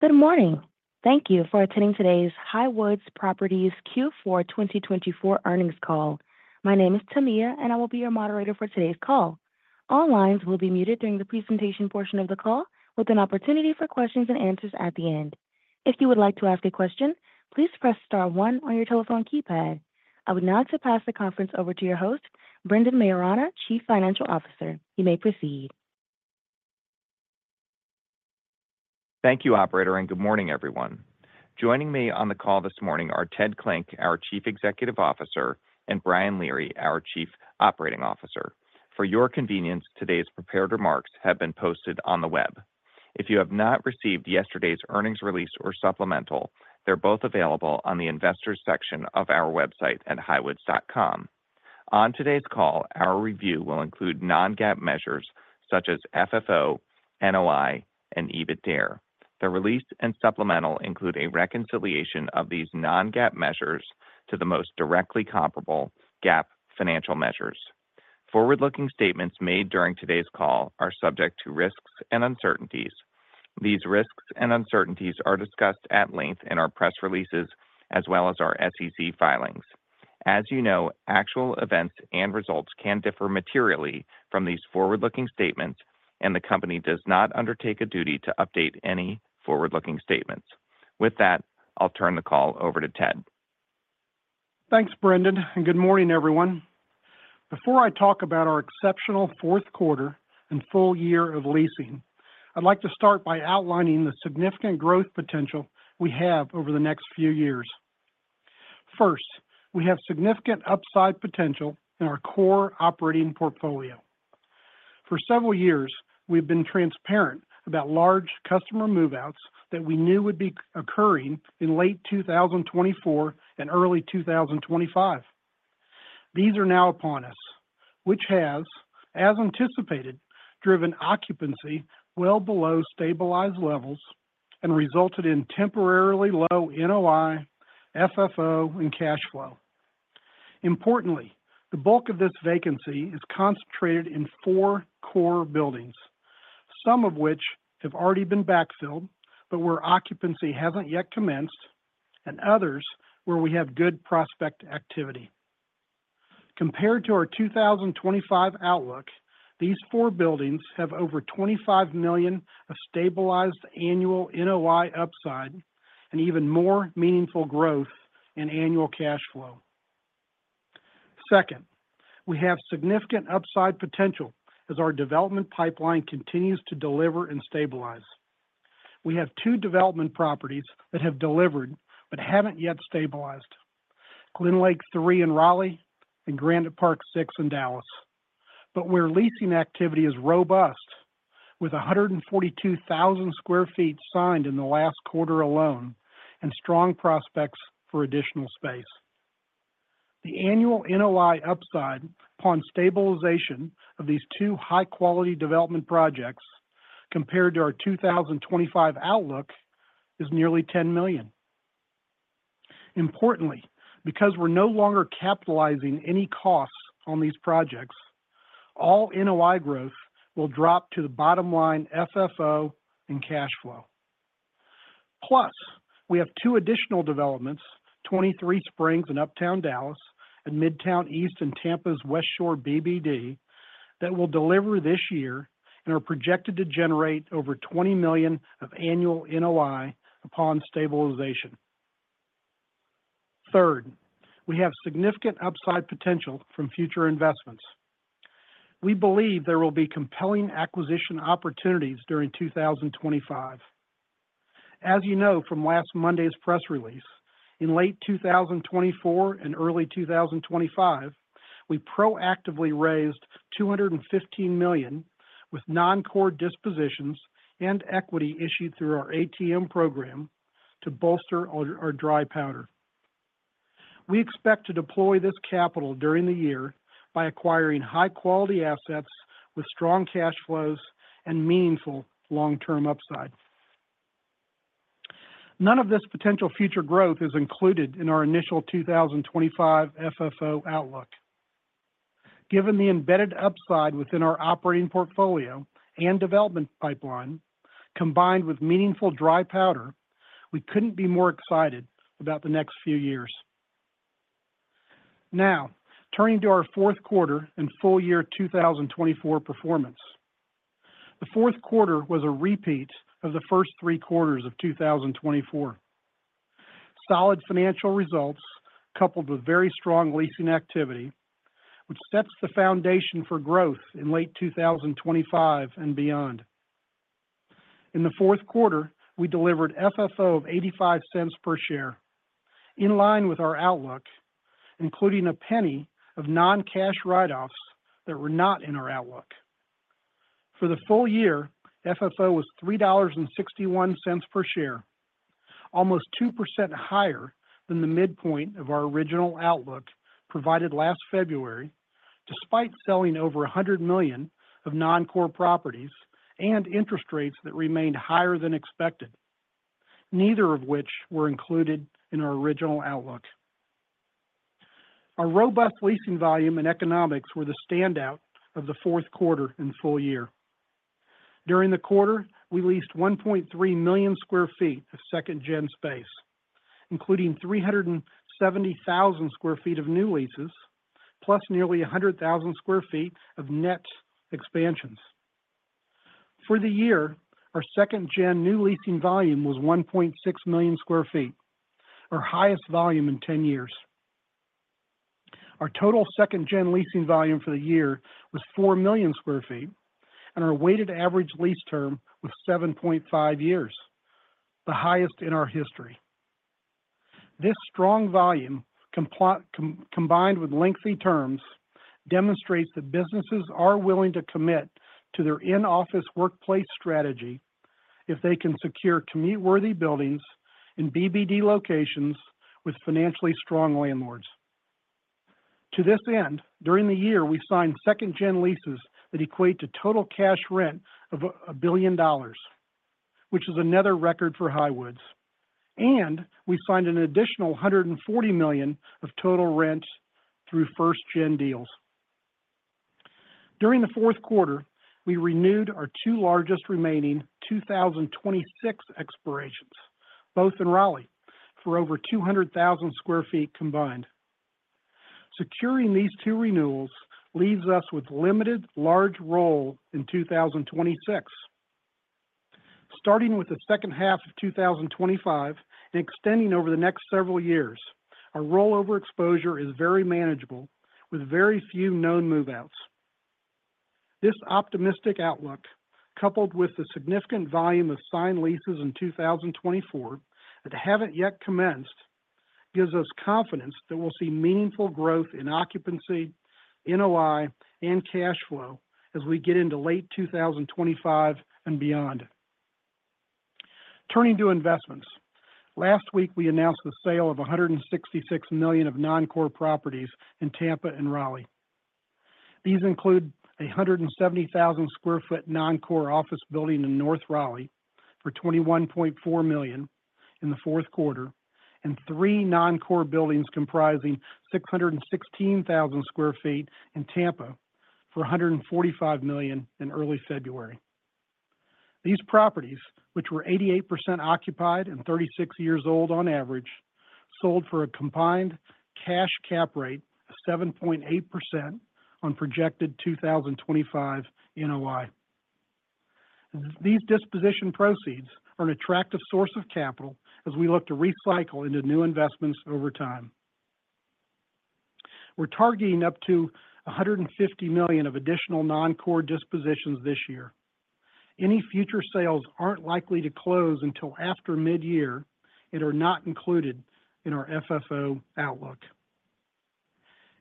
Good morning. Thank you for attending today's Highwoods Properties Q4 2024 earnings call. My name is Tamia, and I will be your moderator for today's call. All lines will be muted during the presentation portion of the call, with an opportunity for questions and answers at the end. If you would like to ask a question, please press star one on your telephone keypad. I would now like to pass the conference over to your host, Brendan Maiorana, Chief Financial Officer. You may proceed. Thank you, Operator, and good morning, everyone. Joining me on the call this morning are Ted Klinck, our Chief Executive Officer, and Brian Leary, our Chief Operating Officer. For your convenience, today's prepared remarks have been posted on the web. If you have not received yesterday's earnings release or supplemental, they're both available on the investors' section of our website at highwoods.com. On today's call, our review will include non-GAAP measures such as FFO, NOI, and EBITDA. The release and supplemental include a reconciliation of these non-GAAP measures to the most directly comparable GAAP financial measures. Forward-looking statements made during today's call are subject to risks and uncertainties. These risks and uncertainties are discussed at length in our press releases as well as our SEC filings. As you know, actual events and results can differ materially from these forward-looking statements, and the company does not undertake a duty to update any forward-looking statements. With that, I'll turn the call over to Ted. Thanks, Brendan, and good morning, everyone. Before I talk about our exceptional fourth quarter and full year of leasing, I'd like to start by outlining the significant growth potential we have over the next few years. First, we have significant upside potential in our core operating portfolio. For several years, we've been transparent about large customer move-outs that we knew would be occurring in late 2024 and early 2025. These are now upon us, which has, as anticipated, driven occupancy well below stabilized levels and resulted in temporarily low NOI, FFO, and cash flow. Importantly, the bulk of this vacancy is concentrated in four core buildings, some of which have already been backfilled, but where occupancy hasn't yet commenced, and others where we have good prospect activity. Compared to our 2025 outlook, these four buildings have over $25 million of stabilized annual NOI upside and even more meaningful growth in annual cash flow. Second, we have significant upside potential as our development pipeline continues to deliver and stabilize. We have two development properties that have delivered but haven't yet stabilized: GlenLake III in Raleigh and Granite Park VI in Dallas. But where leasing activity is robust, with 142,000 sq ft signed in the last quarter alone and strong prospects for additional space. The annual NOI upside upon stabilization of these two high-quality development projects compared to our 2025 outlook is nearly $10 million. Importantly, because we're no longer capitalizing any costs on these projects, all NOI growth will drop to the bottom line FFO and cash flow. Plus, we have two additional developments: 23Springs in uptown Dallas and Midtown East in Tampa's Westshore BBD that will deliver this year and are projected to generate over $20 million of annual NOI upon stabilization. Third, we have significant upside potential from future investments. We believe there will be compelling acquisition opportunities during 2025. As you know from last Monday's press release, in late 2024 and early 2025, we proactively raised $215 million with non-core dispositions and equity issued through our ATM program to bolster our dry powder. We expect to deploy this capital during the year by acquiring high-quality assets with strong cash flows and meaningful long-term upside. None of this potential future growth is included in our initial 2025 FFO outlook. Given the embedded upside within our operating portfolio and development pipeline, combined with meaningful dry powder, we couldn't be more excited about the next few years. Now, turning to our fourth quarter and full year 2024 performance, the fourth quarter was a repeat of the first three quarters of 2024. Solid financial results coupled with very strong leasing activity, which sets the foundation for growth in late 2025 and beyond. In the fourth quarter, we delivered FFO of $0.85 per share, in line with our outlook, including $0.01 of non-cash write-offs that were not in our outlook. For the full year, FFO was $3.61 per share, almost 2% higher than the midpoint of our original outlook provided last February, despite selling over $100 million of non-core properties and interest rates that remained higher than expected, neither of which were included in our original outlook. Our robust leasing volume and economics were the standout of the fourth quarter and full year. During the quarter, we leased 1.3 million sq ft of second-gen space, including 370,000 sq ft of new leases, plus nearly 100,000 sq ft of net expansions. For the year, our second-gen new leasing volume was 1.6 million sq ft, our highest volume in 10 years. Our total second-gen leasing volume for the year was 4 million sq ft, and our weighted average lease term was 7.5 years, the highest in our history. This strong volume, combined with lengthy terms, demonstrates that businesses are willing to commit to their in-office workplace strategy if they can secure commute-worthy buildings in BBD locations with financially strong landlords. To this end, during the year, we signed second-gen leases that equate to total cash rent of $1 billion, which is another record for Highwoods, and we signed an additional $140 million of total rent through first-gen deals. During the fourth quarter, we renewed our two largest remaining 2026 expirations, both in Raleigh, for over 200,000 sq ft combined. Securing these two renewals leaves us with limited large roll in 2026. Starting with the second half of 2025 and extending over the next several years, our rollover exposure is very manageable, with very few known move-outs. This optimistic outlook, coupled with the significant volume of signed leases in 2024 that haven't yet commenced, gives us confidence that we'll see meaningful growth in occupancy, NOI, and cash flow as we get into late 2025 and beyond. Turning to investments, last week we announced the sale of $166 million of non-core properties in Tampa and Raleigh. These include a 170,000 sq ft non-core office building in North Raleigh for $21.4 million in the fourth quarter, and three non-core buildings comprising 616,000 sq ft in Tampa for $145 million in early February. These properties, which were 88% occupied and 36 years old on average, sold for a combined cash cap rate of 7.8% on projected 2025 NOI. These disposition proceeds are an attractive source of capital as we look to recycle into new investments over time. We're targeting up to $150 million of additional non-core dispositions this year. Any future sales aren't likely to close until after mid-year and are not included in our FFO outlook.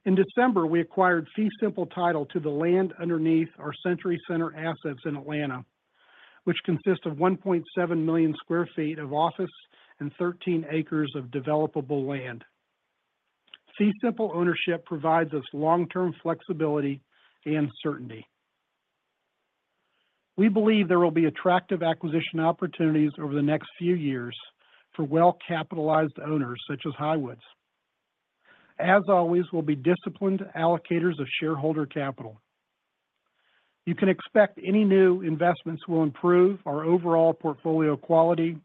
In December, we acquired fee simple title to the land underneath our Century Center assets in Atlanta, which consists of 1.7 million sq ft of office and 13 acres of developable land. Fee simple ownership provides us long-term flexibility and certainty. We believe there will be attractive acquisition opportunities over the next few years for well-capitalized owners such as Highwoods. As always, we'll be disciplined allocators of shareholder capital. You can expect any new investments will improve our overall portfolio quality,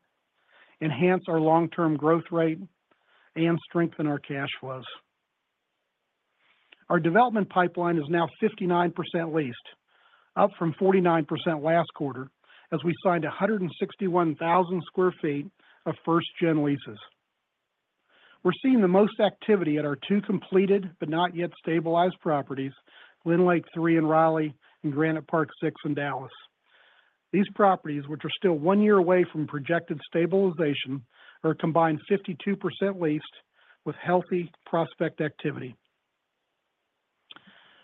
enhance our long-term growth rate, and strengthen our cash flows. Our development pipeline is now 59% leased, up from 49% last quarter as we signed 161,000 sq ft of first-gen leases. We're seeing the most activity at our two completed but not yet stabilized properties, GlenLake III in Raleigh and Granite Park VI in Dallas. These properties, which are still one year away from projected stabilization, are combined 52% leased with healthy prospect activity.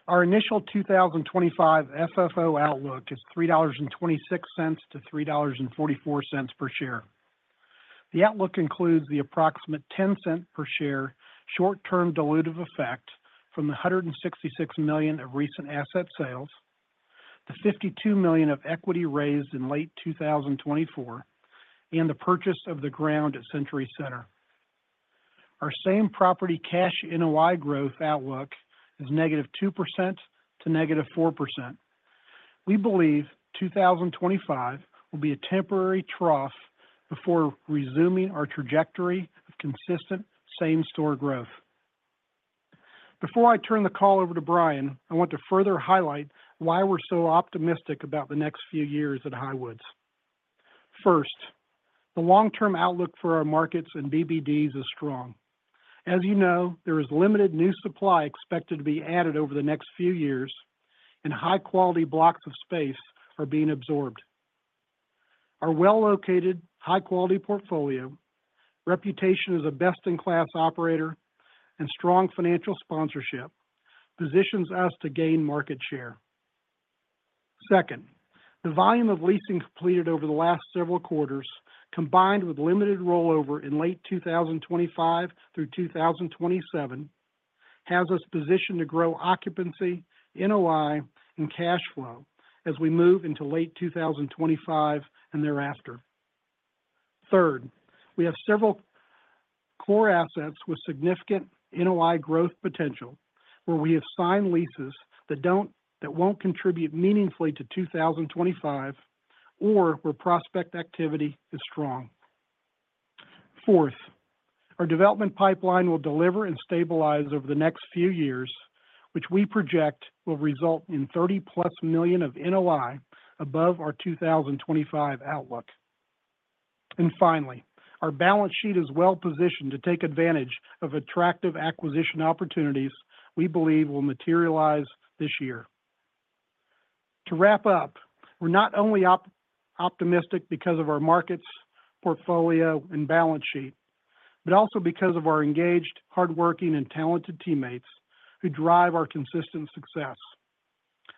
Our initial 2025 FFO outlook is $3.26-$3.44 per share. The outlook includes the approximate $0.10 per share short-term dilutive effect from the $166 million of recent asset sales, the $52 million of equity raised in late 2024, and the purchase of the ground at Century Center. Our same-property cash NOI growth outlook is -2% to -4%. We believe 2025 will be a temporary trough before resuming our trajectory of consistent same-store growth. Before I turn the call over to Brian, I want to further highlight why we're so optimistic about the next few years at Highwoods. First, the long-term outlook for our markets and BBDs is strong. As you know, there is limited new supply expected to be added over the next few years, and high-quality blocks of space are being absorbed. Our well-located, high-quality portfolio, reputation as a best-in-class operator, and strong financial sponsorship positions us to gain market share. Second, the volume of leasing completed over the last several quarters, combined with limited rollover in late 2025 through 2027, has us positioned to grow occupancy, NOI, and cash flow as we move into late 2025 and thereafter. Third, we have several core assets with significant NOI growth potential where we have signed leases that won't contribute meaningfully to 2025 or where prospect activity is strong. Fourth, our development pipeline will deliver and stabilize over the next few years, which we project will result in 30+ million of NOI above our 2025 outlook. And finally, our balance sheet is well-positioned to take advantage of attractive acquisition opportunities we believe will materialize this year. To wrap up, we're not only optimistic because of our markets, portfolio, and balance sheet, but also because of our engaged, hardworking, and talented teammates who drive our consistent success.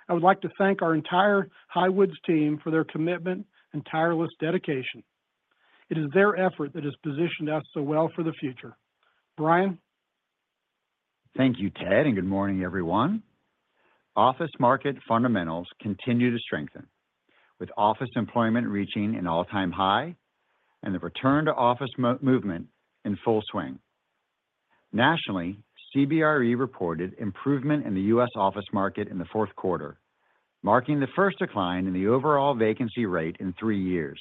I would like to thank our entire Highwoods team for their commitment and tireless dedication. It is their effort that has positioned us so well for the future. Brian? Thank you, Ted, and good morning, everyone. Office market fundamentals continue to strengthen, with office employment reaching an all-time high and the return to office movement in full swing. Nationally, CBRE reported improvement in the U.S. office market in the fourth quarter, marking the first decline in the overall vacancy rate in three years.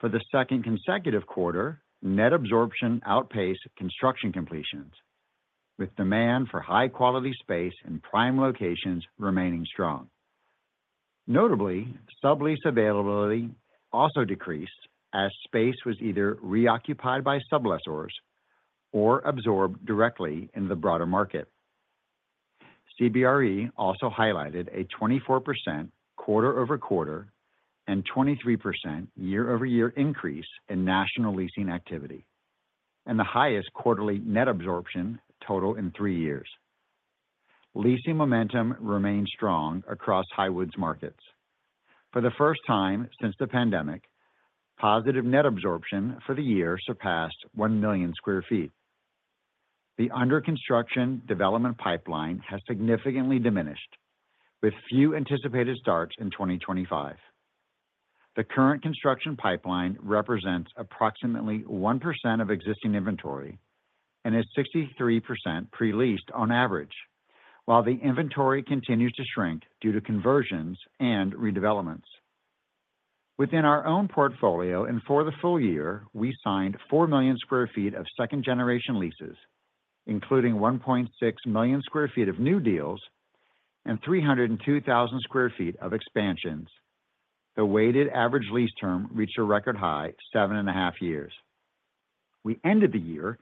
For the second consecutive quarter, net absorption outpaced construction completions, with demand for high-quality space in prime locations remaining strong. Notably, sublease availability also decreased as space was either reoccupied by subleasors or absorbed directly into the broader market. CBRE also highlighted a 24% quarter-over-quarter and 23% year-over-year increase in national leasing activity, and the highest quarterly net absorption total in three years. Leasing momentum remains strong across Highwoods markets. For the first time since the pandemic, positive net absorption for the year surpassed 1 million sq ft. The under-construction development pipeline has significantly diminished, with few anticipated starts in 2025. The current construction pipeline represents approximately 1% of existing inventory and is 63% pre-leased on average, while the inventory continues to shrink due to conversions and redevelopments. Within our own portfolio and for the full year, we signed 4 million sq ft of second-generation leases, including 1.6 million sq ft of new deals and 302,000 sq ft of expansions. The weighted average lease term reached a record high, seven and a half years. We ended the year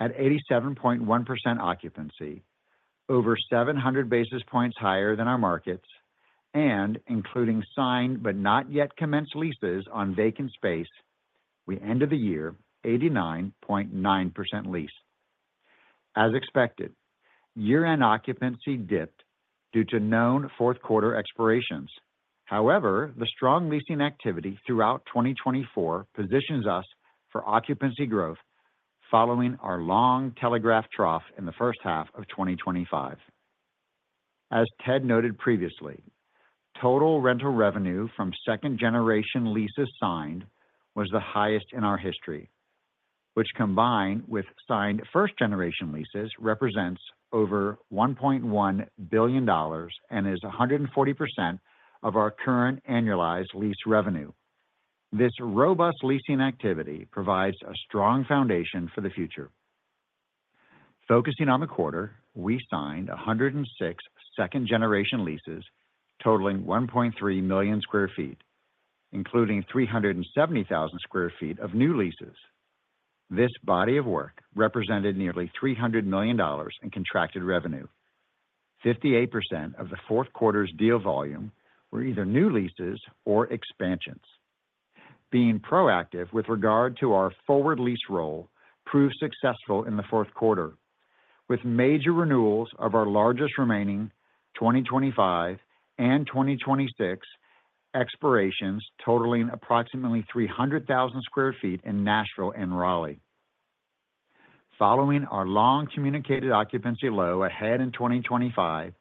at 87.1% occupancy, over 700 basis points higher than our markets, and including signed but not yet commenced leases on vacant space, we ended the year 89.9% leased. As expected, year-end occupancy dipped due to known fourth-quarter expirations. However, the strong leasing activity throughout 2024 positions us for occupancy growth following our long-telegraphed trough in the first half of 2025. As Ted noted previously, total rental revenue from second-generation leases signed was the highest in our history, which combined with signed first-generation leases represents over $1.1 billion and is 140% of our current annualized lease revenue. This robust leasing activity provides a strong foundation for the future. Focusing on the quarter, we signed 106 second-generation leases totaling 1.3 million sq ft, including 370,000 sq ft of new leases. This body of work represented nearly $300 million in contracted revenue. 58% of the fourth quarter's deal volume were either new leases or expansions. Being proactive with regard to our forward lease roll proved successful in the fourth quarter, with major renewals of our largest remaining 2025 and 2026 expirations totaling approximately 300,000 sq ft in Nashville and Raleigh. Following our long communicated occupancy low ahead in 2025,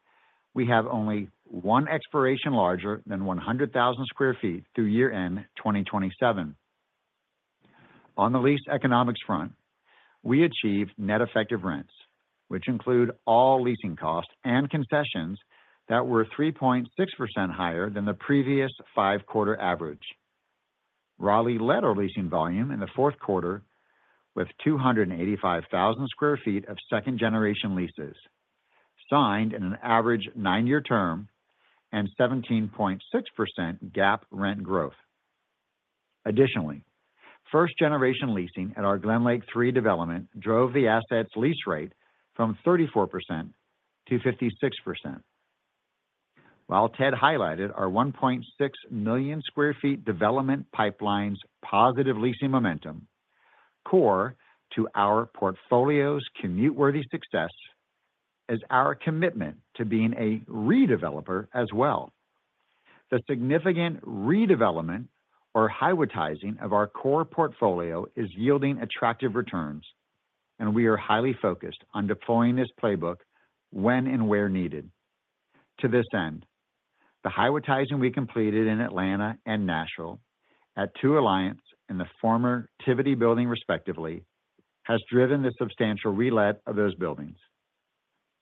we have only one expiration larger than 100,000 sq ft through year-end 2027. On the lease economics front, we achieved net effective rents, which include all leasing costs and concessions that were 3.6% higher than the previous five-quarter average. Raleigh led our leasing volume in the fourth quarter with 285,000 sq ft of second-generation leases signed in an average nine-year term and 17.6% GAAP rent growth. Additionally, first-generation leasing at our GlenLake III development drove the asset's lease rate from 34%-56%. While Ted highlighted our 1.6 million sq ft development pipeline's positive leasing momentum, core to our portfolio's commute-worthy success is our commitment to being a redeveloper as well. The significant redevelopment or Highwoodtizing of our core portfolio is yielding attractive returns, and we are highly focused on deploying this playbook when and where needed. To this end, the Highwoodtizing we completed in Atlanta and Nashville at Two Alliance and the former Tivity Building, respectively, has driven the substantial relet of those buildings.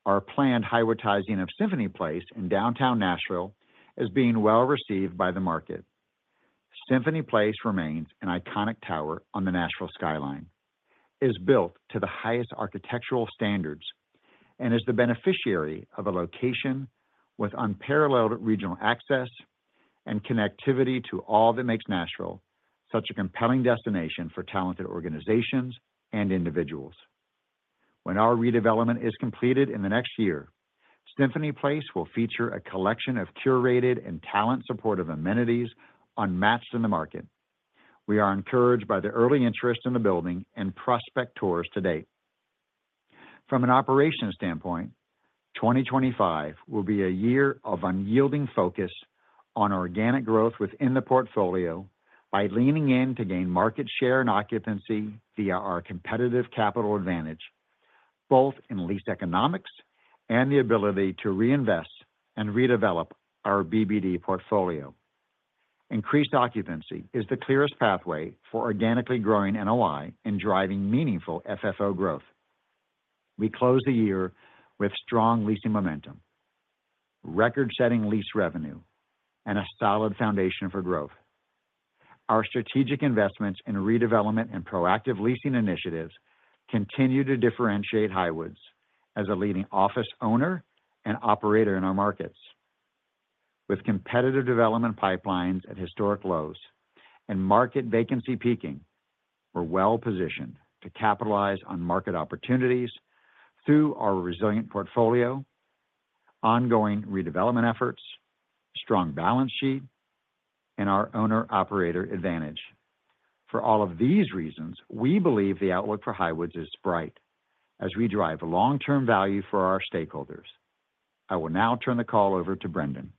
Our planned Highwoodtizing of Symphony Place in downtown Nashville is being well received by the market. Symphony Place remains an iconic tower on the Nashville skyline, is built to the highest architectural standards, and is the beneficiary of a location with unparalleled regional access and connectivity to all that makes Nashville such a compelling destination for talented organizations and individuals. When our redevelopment is completed in the next year, Symphony Place will feature a collection of curated and talent-supportive amenities unmatched in the market. We are encouraged by the early interest in the building and prospect tours to date. From an operations standpoint, 2025 will be a year of unyielding focus on organic growth within the portfolio by leaning in to gain market share and occupancy via our competitive capital advantage, both in lease economics and the ability to reinvest and redevelop our BBD portfolio. Increased occupancy is the clearest pathway for organically growing NOI and driving meaningful FFO growth. We close the year with strong leasing momentum, record-setting lease revenue, and a solid foundation for growth. Our strategic investments in redevelopment and proactive leasing initiatives continue to differentiate Highwoods as a leading office owner and operator in our markets. With competitive development pipelines at historic lows and market vacancy peaking, we're well-positioned to capitalize on market opportunities through our resilient portfolio, ongoing redevelopment efforts, strong balance sheet, and our owner-operator advantage. For all of these reasons, we believe the outlook for Highwoods is bright as we drive long-term value for our stakeholders. I will now turn the call over to Brendan.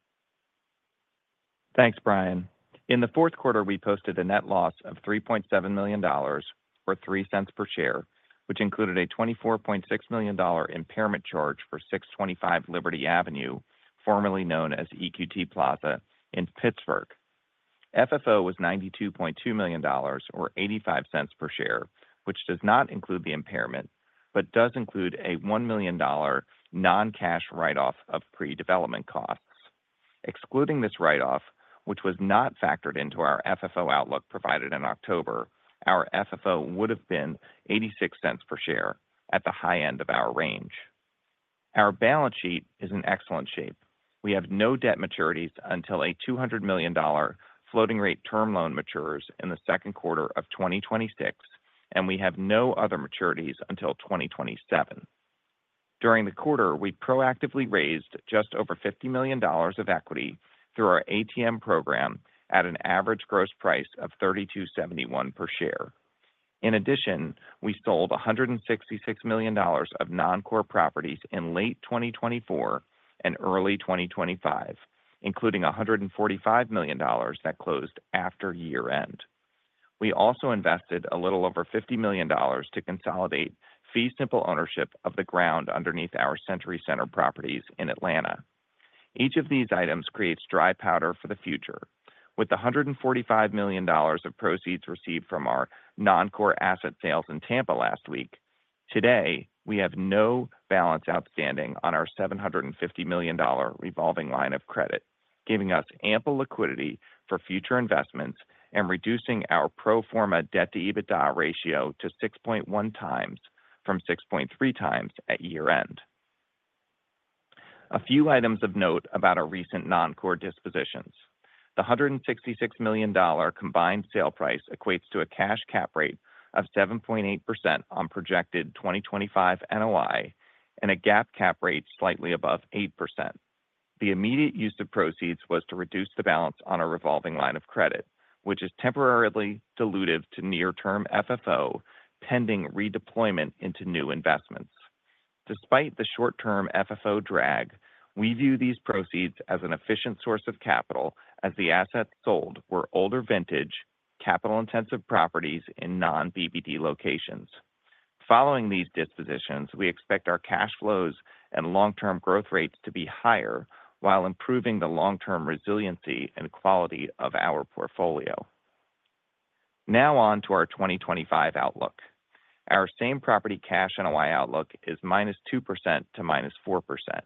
Thanks, Brian. In the fourth quarter, we posted a net loss of $3.7 million or $0.03 per share, which included a $24.6 million impairment charge for 625 Liberty Avenue, formerly known as EQT Plaza, in Pittsburgh. FFO was $92.2 million or 85 cents per share, which does not include the impairment but does include a $1 million non-cash write-off of pre-development costs. Excluding this write-off, which was not factored into our FFO outlook provided in October, our FFO would have been 86 cents per share at the high end of our range. Our balance sheet is in excellent shape. We have no debt maturities until a $200 million floating-rate term loan matures in the second quarter of 2026, and we have no other maturities until 2027. During the quarter, we proactively raised just over $50 million of equity through our ATM program at an average gross price of $3,271 per share. In addition, we sold $166 million of non-core properties in late 2024 and early 2025, including $145 million that closed after year-end. We also invested a little over $50 million to consolidate fee simple ownership of the ground underneath our Century Center properties in Atlanta. Each of these items creates dry powder for the future. With the $145 million of proceeds received from our non-core asset sales in Tampa last week, today we have no balance outstanding on our $750 million revolving line of credit, giving us ample liquidity for future investments and reducing our pro forma debt-to-EBITDA ratio to 6.1 times from 6.3 times at year-end. A few items of note about our recent non-core dispositions. The $166 million combined sale price equates to a cash cap rate of 7.8% on projected 2025 NOI and a GAAP cap rate slightly above 8%. The immediate use of proceeds was to reduce the balance on our revolving line of credit, which is temporarily diluted to near-term FFO pending redeployment into new investments. Despite the short-term FFO drag, we view these proceeds as an efficient source of capital as the assets sold were older vintage, capital-intensive properties in non-BBD locations. Following these dispositions, we expect our cash flows and long-term growth rates to be higher while improving the long-term resiliency and quality of our portfolio. Now on to our 2025 outlook. Our same-property cash NOI outlook is -2% to -4%.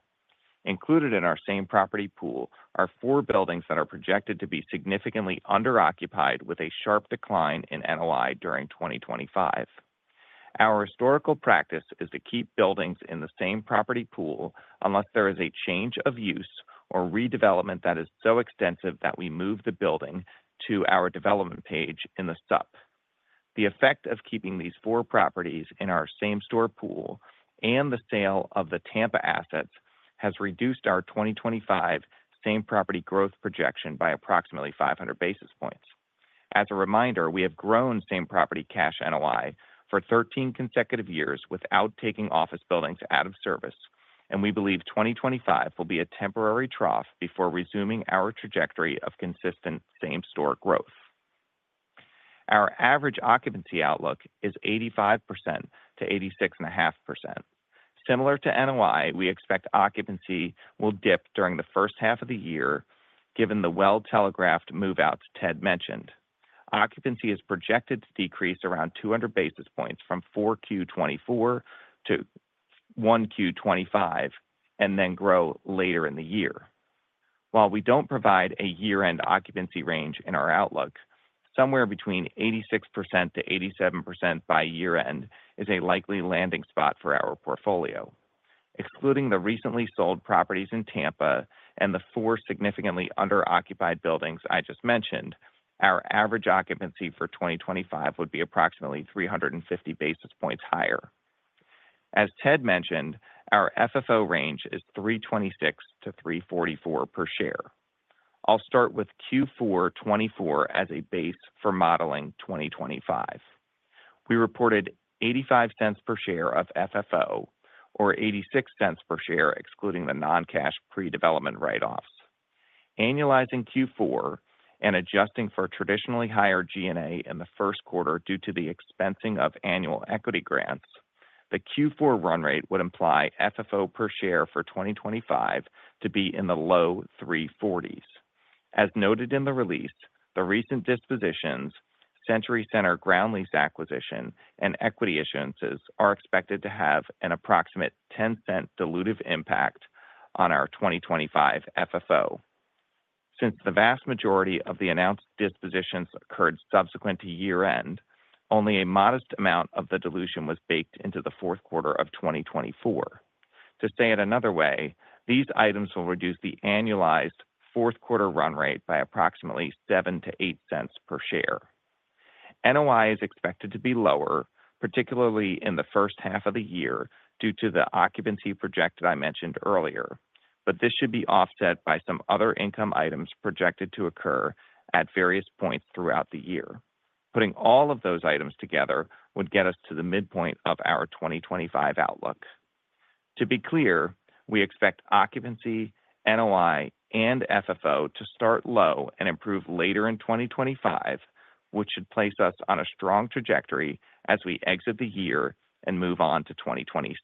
Included in our same-property pool are four buildings that are projected to be significantly underoccupied with a sharp decline in NOI during 2025. Our historical practice is to keep buildings in the same-property pool unless there is a change of use or redevelopment that is so extensive that we move the building to our development page in the Supplemental. The effect of keeping these four properties in our same-store pool and the sale of the Tampa assets has reduced our 2025 same-property growth projection by approximately 500 basis points. As a reminder, we have grown same-property cash NOI for 13 consecutive years without taking office buildings out of service, and we believe 2025 will be a temporary trough before resuming our trajectory of consistent same-store growth. Our average occupancy outlook is 85%-86.5%. Similar to NOI, we expect occupancy will dip during the first half of the year, given the well-telegraphed move-outs Ted mentioned. Occupancy is projected to decrease around 200 basis points from 4Q 2024 to 1Q 2025 and then grow later in the year. While we don't provide a year-end occupancy range in our outlook, somewhere between 86%-87% by year-end is a likely landing spot for our portfolio. Excluding the recently sold properties in Tampa and the four significantly underoccupied buildings I just mentioned, our average occupancy for 2025 would be approximately 350 basis points higher. As Ted mentioned, our FFO range is $3.26-$3.44 per share. I'll start with Q4 2024 as a base for modeling 2025. We reported $0.85 per share of FFO, or $0.86 per share excluding the non-cash pre-development write-offs. Annualizing Q4 and adjusting for traditionally higher G&A in the first quarter due to the expensing of annual equity grants, the Q4 run rate would imply FFO per share for 2025 to be in the low 340s. As noted in the release, the recent dispositions, Century Center ground lease acquisition, and equity issuances are expected to have an approximate $0.10 dilutive impact on our 2025 FFO. Since the vast majority of the announced dispositions occurred subsequent to year-end, only a modest amount of the dilution was baked into the fourth quarter of 2024. To say it another way, these items will reduce the annualized fourth-quarter run rate by approximately $0.07-$0.08 per share. NOI is expected to be lower, particularly in the first half of the year due to the occupancy projection I mentioned earlier, but this should be offset by some other income items projected to occur at various points throughout the year. Putting all of those items together would get us to the midpoint of our 2025 outlook. To be clear, we expect occupancy, NOI, and FFO to start low and improve later in 2025, which should place us on a strong trajectory as we exit the year and move on to 2026.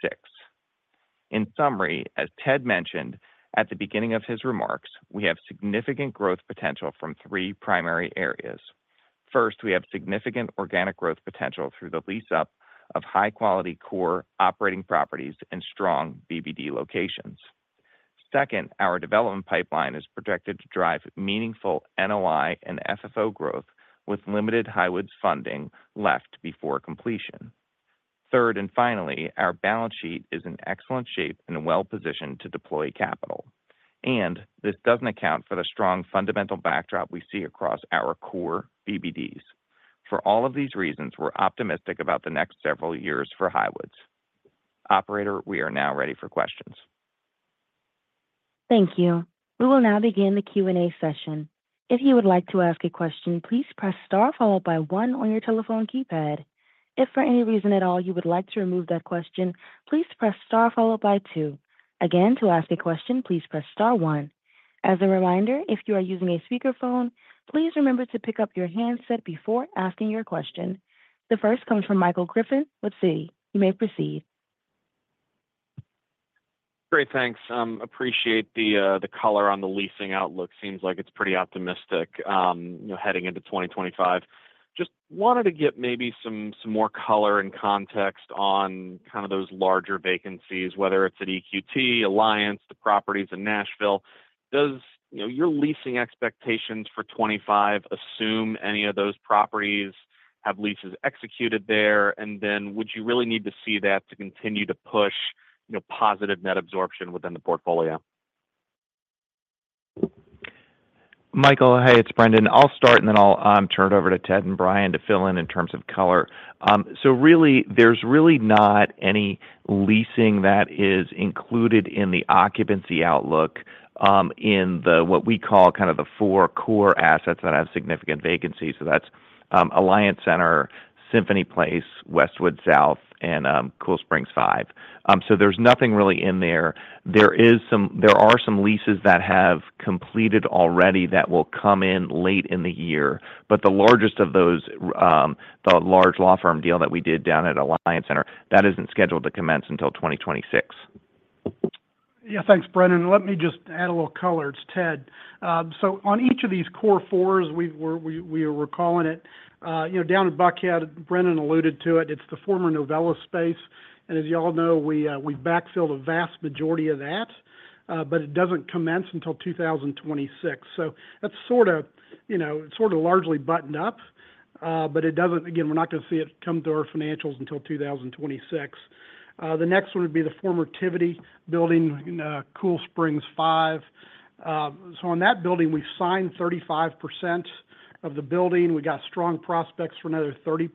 In summary, as Ted mentioned at the beginning of his remarks, we have significant growth potential from three primary areas. First, we have significant organic growth potential through the lease-up of high-quality core operating properties and strong BBD locations. Second, our development pipeline is projected to drive meaningful NOI and FFO growth with limited Highwoods funding left before completion. Third and finally, our balance sheet is in excellent shape and well-positioned to deploy capital. And this doesn't account for the strong fundamental backdrop we see across our core BBDs. For all of these reasons, we're optimistic about the next several years for Highwoods. Operator, we are now ready for questions. Thank you. We will now begin the Q&A session. If you would like to ask a question, please press star followed by one on your telephone keypad. If for any reason at all you would like to remove that question, please press star followed by two. Again, to ask a question, please press star one. As a reminder, if you are using a speakerphone, please remember to pick up your handset before asking your question. The first comes from Michael Griffin with Citi. You may proceed. Great. Thanks. Appreciate the color on the leasing outlook. Seems like it's pretty optimistic heading into 2025. Just wanted to get maybe some more color and context on kind of those larger vacancies, whether it's at EQT, Alliance, the properties in Nashville. Does your leasing expectations for 2025 assume any of those properties have leases executed there? And then would you really need to see that to continue to push positive net absorption within the portfolio? Michael, hey, it's Brendan. I'll start, and then I'll turn it over to Ted and Brian to fill in in terms of color. So really, there's really not any leasing that is included in the occupancy outlook in what we call kind of the four core assets that have significant vacancies. So that's Alliance Center, Symphony Place, Westwood South, and Cool Springs V. So there's nothing really in there. There are some leases that have completed already that will come in late in the year, but the largest of those, the large law firm deal that we did down at Alliance Center, that isn't scheduled to commence until 2026. Yeah. Thanks, Brendan. Let me just add a little color. It's Ted. So on each of these core fours, we are recalling it. Down at Buckhead, Brendan alluded to it. It's the former Novelis space. As y'all know, we've backfilled a vast majority of that, but it doesn't commence until 2026. So that's sort of largely buttoned up, but it doesn't, again, we're not going to see it come through our financials until 2026. The next one would be the former Tivity Building in Cool Springs V. So on that building, we've signed 35% of the building. We got strong prospects for another 30%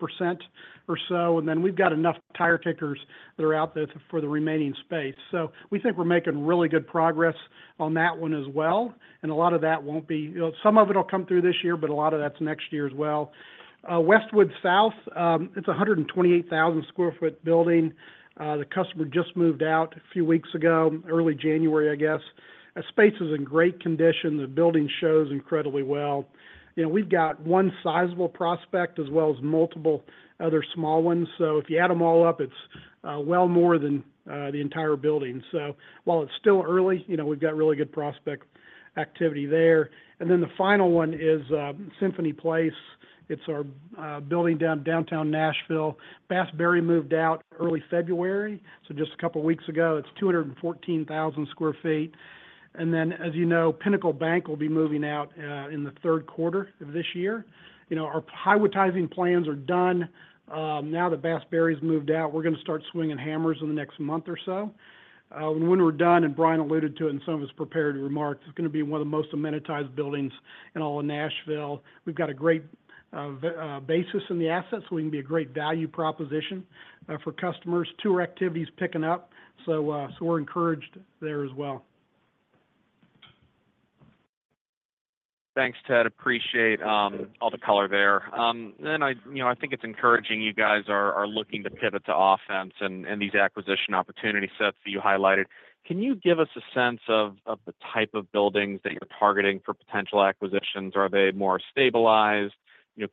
or so. And then we've got enough tire kickers that are out there for the remaining space. So we think we're making really good progress on that one as well. And a lot of that won't be. Some of it will come through this year, but a lot of that's next year as well. Westwood South, it's a 128,000 sq ft building. The customer just moved out a few weeks ago, early January, I guess. The space is in great condition. The building shows incredibly well. We've got one sizable prospect as well as multiple other small ones. So if you add them all up, it's well more than the entire building. So while it's still early, we've got really good prospect activity there. And then the final one is Symphony Place. It's our building down in downtown Nashville. Bass Berry moved out early February, so just a couple of weeks ago. It's 214,000 sq ft. And then, as you know, Pinnacle Bank will be moving out in the third quarter of this year. Our Highwoodtizing and plans are done. Now that Bass Berry's moved out, we're going to start swinging hammers in the next month or so. When we're done, and Brian alluded to it in some of his prepared remarks, it's going to be one of the most amenitized buildings in all of Nashville. We've got a great basis in the assets, so we can be a great value proposition for customers. Tour activities picking up. So we're encouraged there as well. Thanks, Ted. Appreciate all the color there. I think it's encouraging you guys are looking to pivot to offense and these acquisition opportunity sets that you highlighted. Can you give us a sense of the type of buildings that you're targeting for potential acquisitions? Are they more stabilized?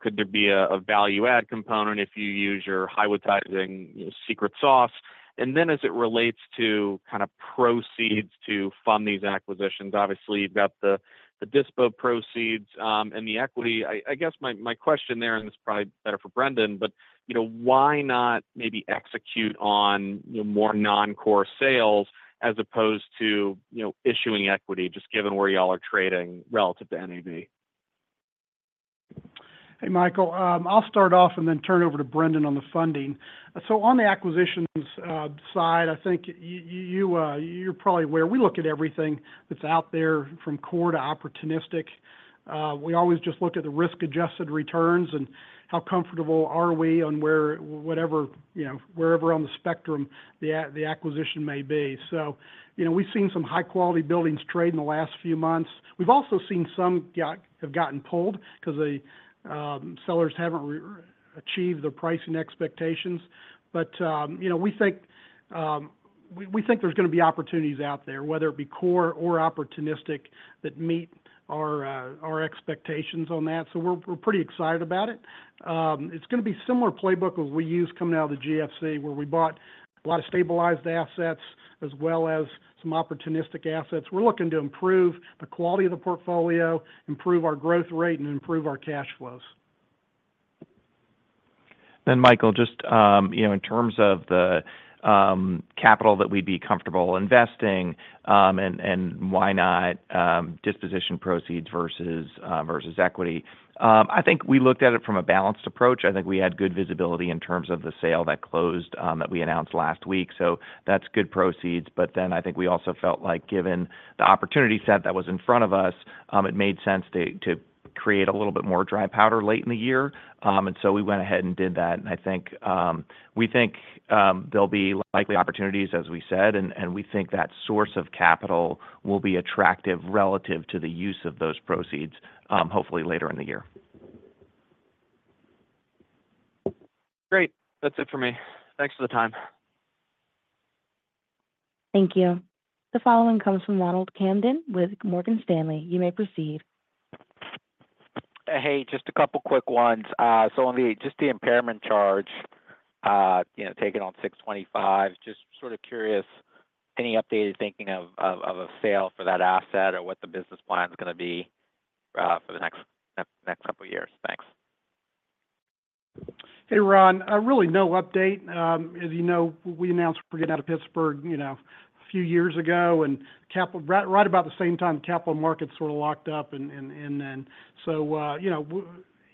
Could there be a value-add component if you use your Highwoodtizing and secret sauce? And then as it relates to kind of proceeds to fund these acquisitions, obviously, you've got the dispo proceeds and the equity. I guess my question there, and this is probably better for Brendan, but why not maybe execute on more non-core sales as opposed to issuing equity, just given where y'all are trading relative to NAV? Hey, Michael, I'll start off and then turn over to Brendan on the funding. So on the acquisitions side, I think you're probably aware. We look at everything that's out there from core to opportunistic. We always just look at the risk-adjusted returns and how comfortable are we on whatever on the spectrum the acquisition may be. So we've seen some high-quality buildings trade in the last few months. We've also seen some have gotten pulled because the sellers haven't achieved their pricing expectations. But we think there's going to be opportunities out there, whether it be core or opportunistic, that meet our expectations on that. So we're pretty excited about it. It's going to be a similar playbook as we use coming out of the GFC, where we bought a lot of stabilized assets as well as some opportunistic assets. We're looking to improve the quality of the portfolio, improve our growth rate, and improve our cash flows. Then, Michael, just in terms of the capital that we'd be comfortable investing and why not disposition proceeds versus equity? I think we looked at it from a balanced approach. I think we had good visibility in terms of the sale that closed that we announced last week. So that's good proceeds. But then I think we also felt like given the opportunity set that was in front of us, it made sense to create a little bit more dry powder late in the year. And so we went ahead and did that. And I think we think there'll be likely opportunities, as we said, and we think that source of capital will be attractive relative to the use of those proceeds, hopefully later in the year. Great. That's it for me. Thanks for the time. Thank you. The following comes from Ronald Kamdem with Morgan Stanley. You may proceed. Hey, just a couple of quick ones. So just the impairment charge taken on 625, just sort of curious any updated thinking of a sale for that asset or what the business plan is going to be for the next couple of years? Thanks. Hey, Ron. Really no update. As you know, we announced we're getting out of Pittsburgh a few years ago, and right about the same time, the capital markets sort of locked up. And so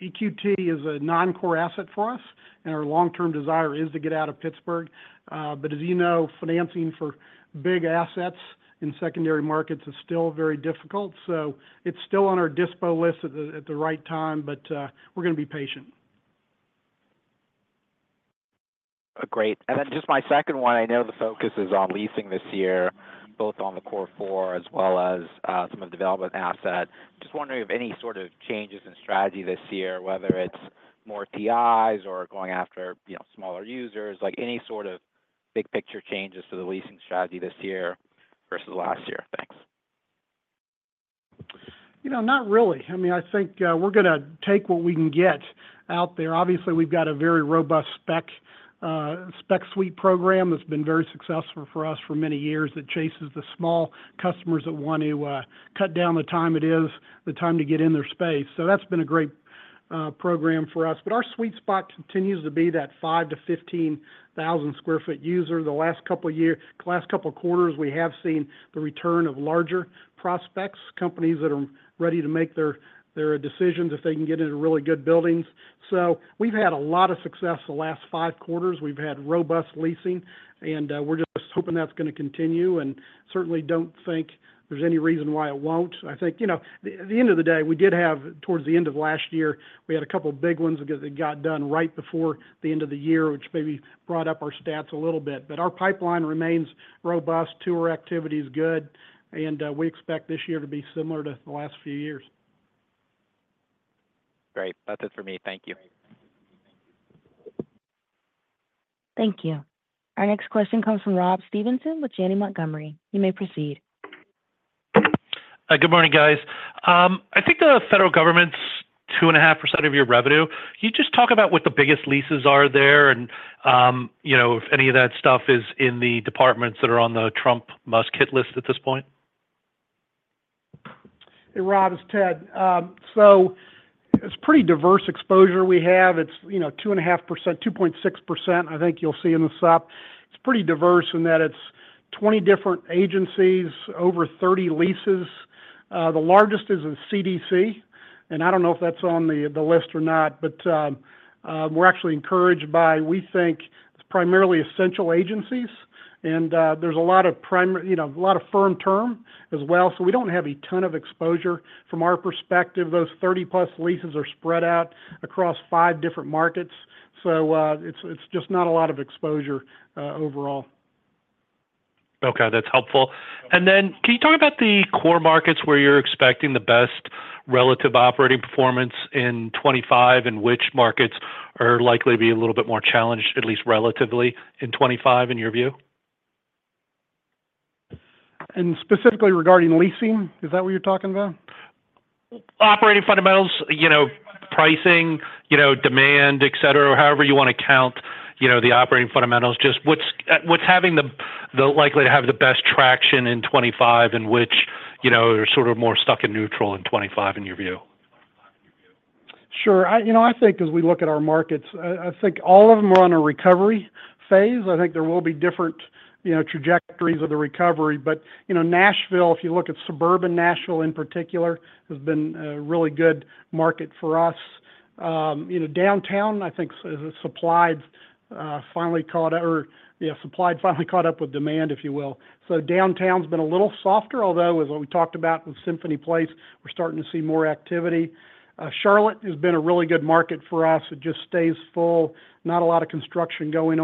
EQT is a non-core asset for us, and our long-term desire is to get out of Pittsburgh. But as you know, financing for big assets in secondary markets is still very difficult. So it's still on our dispo list at the right time, but we're going to be patient. Great. And then just my second one. I know the focus is on leasing this year, both on the core four as well as some of the development asset. Just wondering if any sort of changes in strategy this year, whether it's more TIs or going after smaller users, any sort of big picture changes to the leasing strategy this year versus last year. Thanks. Not really. I mean, I think we're going to take what we can get out there. Obviously, we've got a very robust spec suite program that's been very successful for us for many years that chases the small customers that want to cut down the time to get in their space. So that's been a great program for us. But our sweet spot continues to be that 5-15 thousand sq ft user. The last couple of quarters, we have seen the return of larger prospects, companies that are ready to make their decisions if they can get into really good buildings. So we've had a lot of success the last five quarters. We've had robust leasing, and we're just hoping that's going to continue. And certainly don't think there's any reason why it won't. I think at the end of the day, we did have towards the end of last year, we had a couple of big ones that got done right before the end of the year, which maybe brought up our stats a little bit. But our pipeline remains robust. Tour activity is good, and we expect this year to be similar to the last few years. Great. That's it for me. Thank you. Thank you. Our next question comes from Rob Stevenson with Janney Montgomery. You may proceed. Good morning, guys. I think the federal government's 2.5% of your revenue. Can you just talk about what the biggest leases are there and if any of that stuff is in the departments that are on the Trump must hit list at this point? Hey, Rob, it's Ted. So it's pretty diverse exposure we have. It's 2.5%, 2.6%, I think you'll see in the SUP. It's pretty diverse in that it's 20 different agencies, over 30 leases. The largest is CDC, and I don't know if that's on the list or not, but we're actually encouraged by, we think, primarily essential agencies. And there's a lot of firm term as well. So we don't have a ton of exposure. From our perspective, those 30+ leases are spread out across five different markets. So it's just not a lot of exposure overall. Okay. That's helpful. And then can you talk about the core markets where you're expecting the best relative operating performance in 2025, and which markets are likely to be a little bit more challenged, at least relatively, in 2025 in your view? And specifically regarding leasing, is that what you're talking about? Operating fundamentals, pricing, demand, etc., however you want to count the operating fundamentals. Just what's likely to have the best traction in 2025 and which are sort of more stuck in neutral in 2025 in your view? Sure. I think as we look at our markets, I think all of them are on a recovery phase. I think there will be different trajectories of the recovery. But Nashville, if you look at suburban Nashville in particular, has been a really good market for us. Downtown, I think, supply has finally caught up with demand, if you will. So downtown's been a little softer, although, as we talked about with Symphony Place, we're starting to see more activity. Charlotte has been a really good market for us. It just stays full. Not a lot of construction going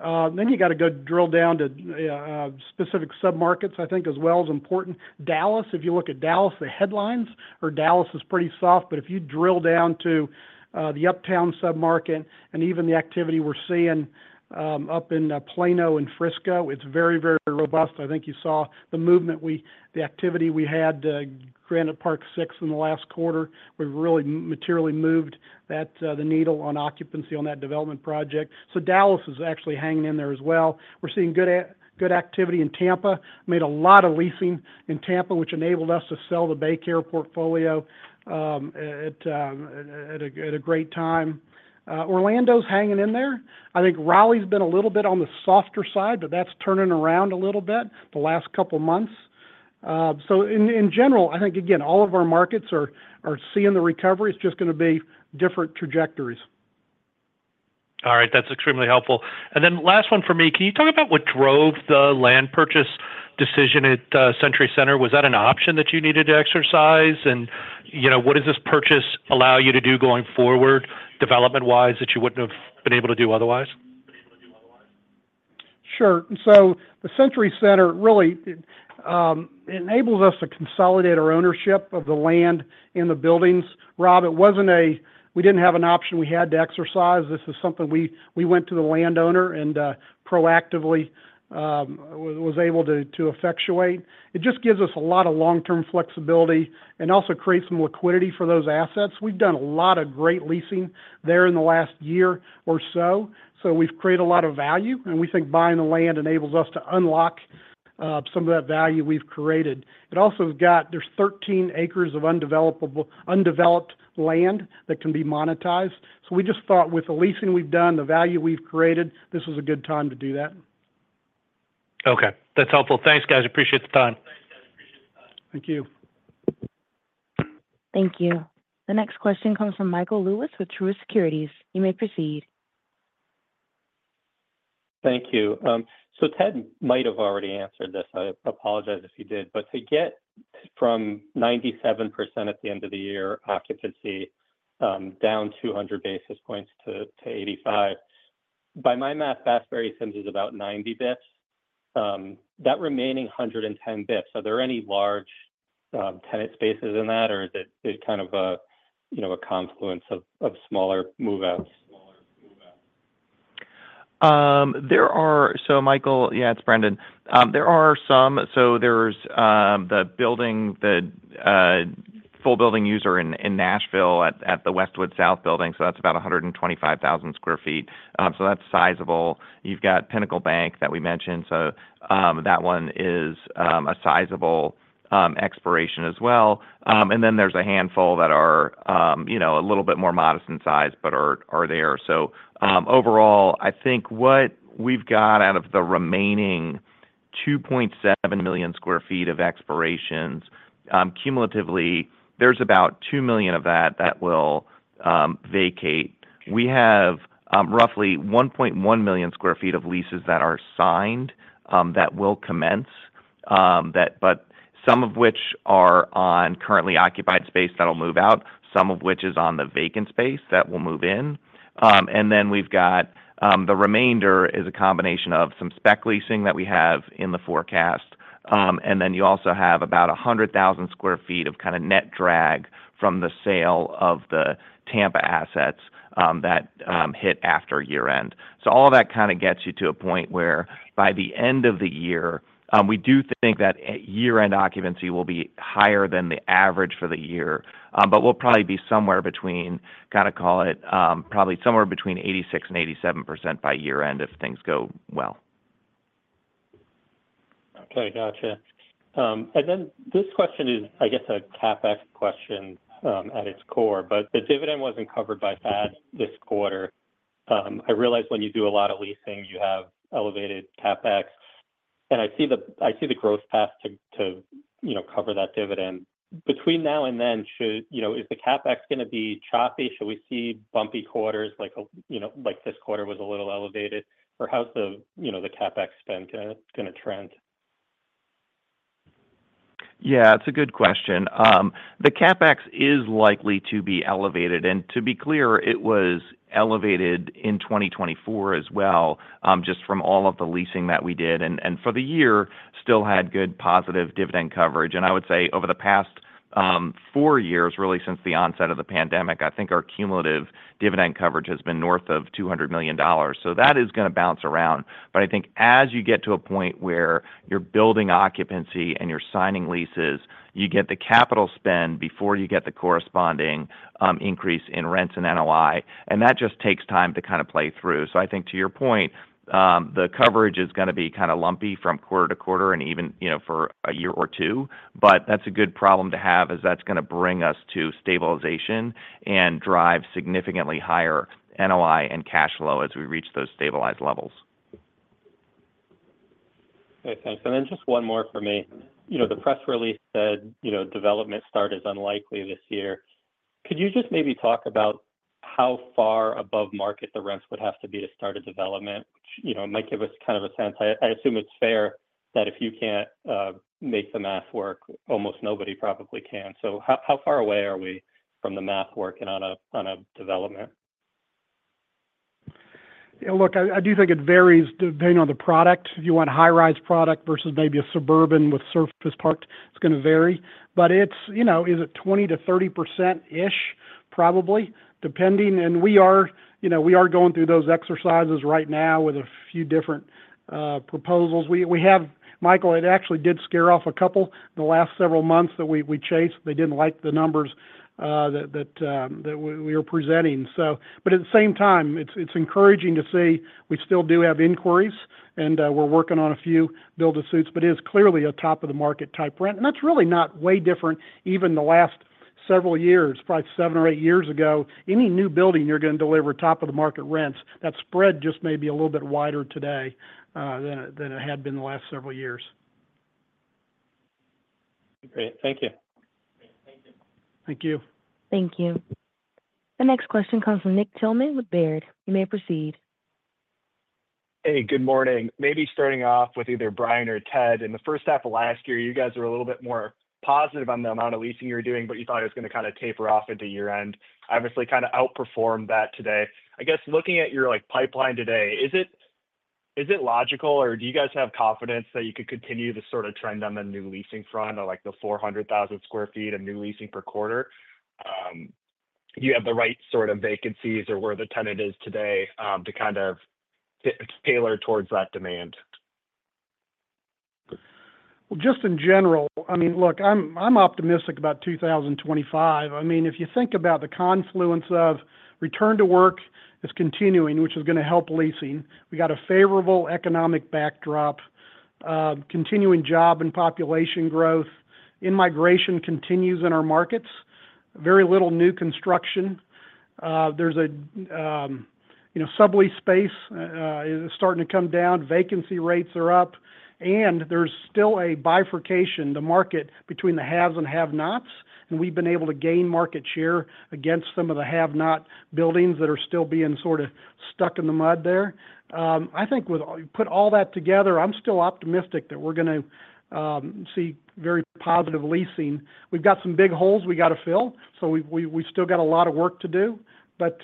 on. Then you got to go drill down to specific submarkets, I think, as well is important. Dallas, if you look at Dallas, the headlines are Dallas is pretty soft. But if you drill down to the Uptown submarket and even the activity we're seeing up in Plano and Frisco, it's very, very robust.I think you saw the movement, the activity we had to Granite Park VI in the last quarter. We really materially moved the needle on occupancy on that development project. So Dallas is actually hanging in there as well. We're seeing good activity in Tampa. Made a lot of leasing in Tampa, which enabled us to sell the BayCare portfolio at a great time. Orlando's hanging in there. I think Raleigh's been a little bit on the softer side, but that's turning around a little bit the last couple of months. So in general, I think, again, all of our markets are seeing the recovery. It's just going to be different trajectories. All right. That's extremely helpful. And then last one for me. Can you talk about what drove the land purchase decision at Century Center? Was that an option that you needed to exercise? And what does this purchase allow you to do going forward, development-wise, that you wouldn't have been able to do otherwise? Sure. So the Century Center really enables us to consolidate our ownership of the land and the buildings. Rob, it wasn't a we didn't have an option we had to exercise. This is something we went to the landowner and proactively was able to effectuate. It just gives us a lot of long-term flexibility and also creates some liquidity for those assets. We've done a lot of great leasing there in the last year or so. So we've created a lot of value, and we think buying the land enables us to unlock some of that value we've created. It also has got there's 13 acres of undeveloped land that can be monetized. So we just thought with the leasing we've done, the value we've created, this was a good time to do that. Okay. That's helpful. Thanks, guys. Appreciate the time. Thank you. Thank you. The next question comes from Michael Lewis with Truist Securities. You may proceed. Thank you. So Ted might have already answered this. I apologize if he did. But to get from 97% at the end of the year occupancy down 200 basis points to 85%, by my math, Bass, Berry & Sims is about 90 basis points. That remaining 110 basis points, are there any large tenant spaces in that, or is it kind of a confluence of smaller move-outs? There are. So Michael, yeah, it's Brendan. There are some. So there's the full building user in Nashville at the Westwood South building. So that's about 125,000 sq ft. So that's sizable. You've got Pinnacle Bank that we mentioned. So that one is a sizable expiration as well. And then there's a handful that are a little bit more modest in size but are there. So overall, I think what we've got out of the remaining 2.7 million sq ft of expirations, cumulatively, there's about 2 million of that that will vacate. We have roughly 1.1 million sq ft of leases that are signed that will commence, but some of which are on currently occupied space that'll move out, some of which is on the vacant space that will move in. And then we've got the remainder is a combination of some spec leasing that we have in the forecast. And then you also have about 100,000 sq ft of kind of net drag from the sale of the Tampa assets that hit after year-end. So all of that kind of gets you to a point where by the end of the year, we do think that year-end occupancy will be higher than the average for the year, but we'll probably be somewhere between kind of call it probably somewhere between 86%-87% by year-end if things go well. Okay. Gotcha. And then this question is, I guess, a CapEx question at its core. But the dividend wasn't covered by FAD this quarter. I realize when you do a lot of leasing, you have elevated CapEx. And I see the growth path to cover that dividend. Between now and then, is the CapEx going to be choppy? Should we see bumpy quarters like this quarter was a little elevated? Or how's the CapEx spend going to trend? Yeah, it's a good question. The CapEx is likely to be elevated. To be clear, it was elevated in 2024 as well, just from all of the leasing that we did. For the year, still had good positive dividend coverage. Over the past four years, really since the onset of the pandemic, I think our cumulative dividend coverage has been north of $200 million. That is going to bounce around. As you get to a point where you're building occupancy and you're signing leases, you get the capital spend before you get the corresponding increase in rents and NOI. That just takes time to kind of play through. To your point, the coverage is going to be kind of lumpy from quarter to quarter and even for a year or two. But that's a good problem to have as that's going to bring us to stabilization and drive significantly higher NOI and cash flow as we reach those stabilized levels. Okay. Thanks. And then just one more for me. The press release said development start is unlikely this year. Could you just maybe talk about how far above market the rents would have to be to start a development? It might give us kind of a sense. I assume it's fair that if you can't make the math work, almost nobody probably can. So how far away are we from the math working on a development? Look, I do think it varies depending on the product. If you want a high-rise product versus maybe a suburban with surface parking, it's going to vary. But it's 20%-30%-ish, probably, depending. We are going through those exercises right now with a few different proposals. Michael, it actually did scare off a couple the last several months that we chased. They didn't like the numbers that we were presenting. But at the same time, it's encouraging to see we still do have inquiries, and we're working on a few build-to-suits. But it is clearly a top-of-the-market type rent. And that's really not way different. Even the last several years, probably seven or eight years ago, any new building you're going to deliver top-of-the-market rents, that spread just may be a little bit wider today than it had been the last several years. Great. Thank you. Thank you. Thank you. The next question comes from Nick Thillman with Baird. You may proceed. Hey, good morning. Maybe starting off with either Brian or Ted. In the first half of last year, you guys were a little bit more positive on the amount of leasing you were doing, but you thought it was going to kind of taper off at the year-end. Obviously, kind of outperformed that today. I guess looking at your pipeline today, is it logical, or do you guys have confidence that you could continue to sort of trend on the new leasing front or the 400,000 sq ft of new leasing per quarter? Do you have the right sort of vacancies or where the tenant is today to kind of tailor towards that demand? Well, just in general, I mean, look, I'm optimistic about 2025. I mean, if you think about the confluence of return to work is continuing, which is going to help leasing. We got a favorable economic backdrop, continuing job and population growth. Immigration continues in our markets. Very little new construction. There's a sublease space is starting to come down. Vacancy rates are up. And there's still a bifurcation in the market between the haves and have-nots. And we've been able to gain market share against some of the have-not buildings that are still being sort of stuck in the mud there. I think if you put all that together, I'm still optimistic that we're going to see very positive leasing. We've got some big holes we got to fill. So we've still got a lot of work to do. But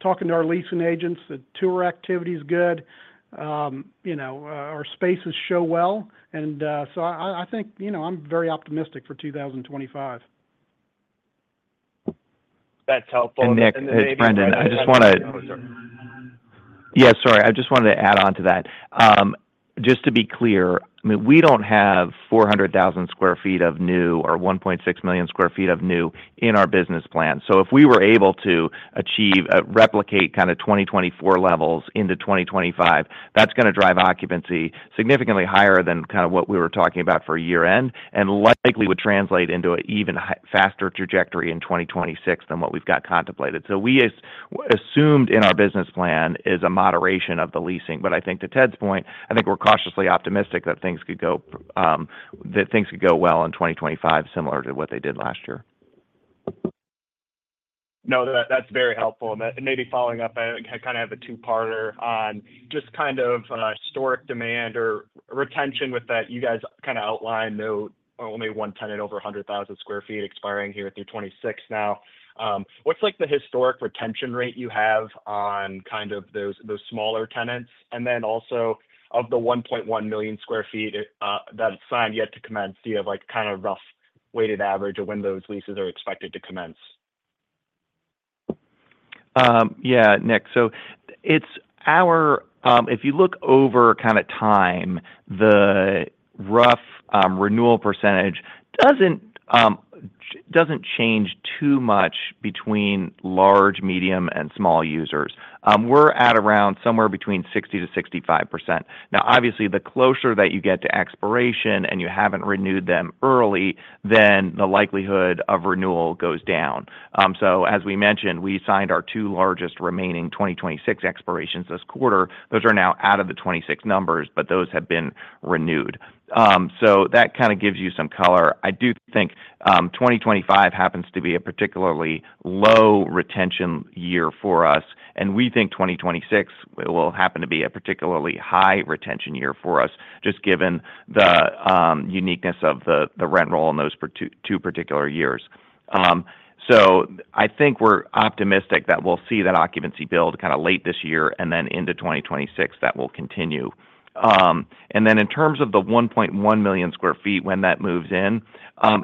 talking to our leasing agents, the tour activity is good. Our spaces show well. And so I think I'm very optimistic for 2025. That's helpful. And Brendan, I just want to—yeah, sorry. I just wanted to add on to that. Just to be clear, I mean, we don't have 400,000 sq ft of new or 1.6 million sq ft of new in our business plan. So if we were able to replicate kind of 2024 levels into 2025, that's going to drive occupancy significantly higher than kind of what we were talking about for year-end and likely would translate into an even faster trajectory in 2026 than what we've got contemplated. So we assumed in our business plan is a moderation of the leasing. But I think to Ted's point, I think we're cautiously optimistic that things could go well in 2025, similar to what they did last year. No, that's very helpful. And maybe following up, I kind of have a two-parter on just kind of historic demand or retention with what you guys kind of outlined though only one tenant over 100,000 sq ft expiring here through 2026 now. What's the historic retention rate you have on kind of those smaller tenants? And then also of the 1.1 million sq ft that it's signed yet to commence, do you have kind of rough weighted average of when those leases are expected to commence? Yeah, Nick. So it's our, if you look over kind of time, the rough renewal percentage doesn't change too much between large, medium, and small users. We're at around somewhere between 60%-65%. Now, obviously, the closer that you get to expiration and you haven't renewed them early, then the likelihood of renewal goes down. So as we mentioned, we signed our two largest remaining 2026 expirations this quarter. Those are now out of the '26 numbers, but those have been renewed. So that kind of gives you some color. I do think 2025 happens to be a particularly low retention year for us. And we think 2026 will happen to be a particularly high retention year for us, just given the uniqueness of the rent roll in those two particular years. So I think we're optimistic that we'll see that occupancy build kind of late this year and then into 2026 that will continue. And then in terms of the 1.1 million sq ft, when that moves in,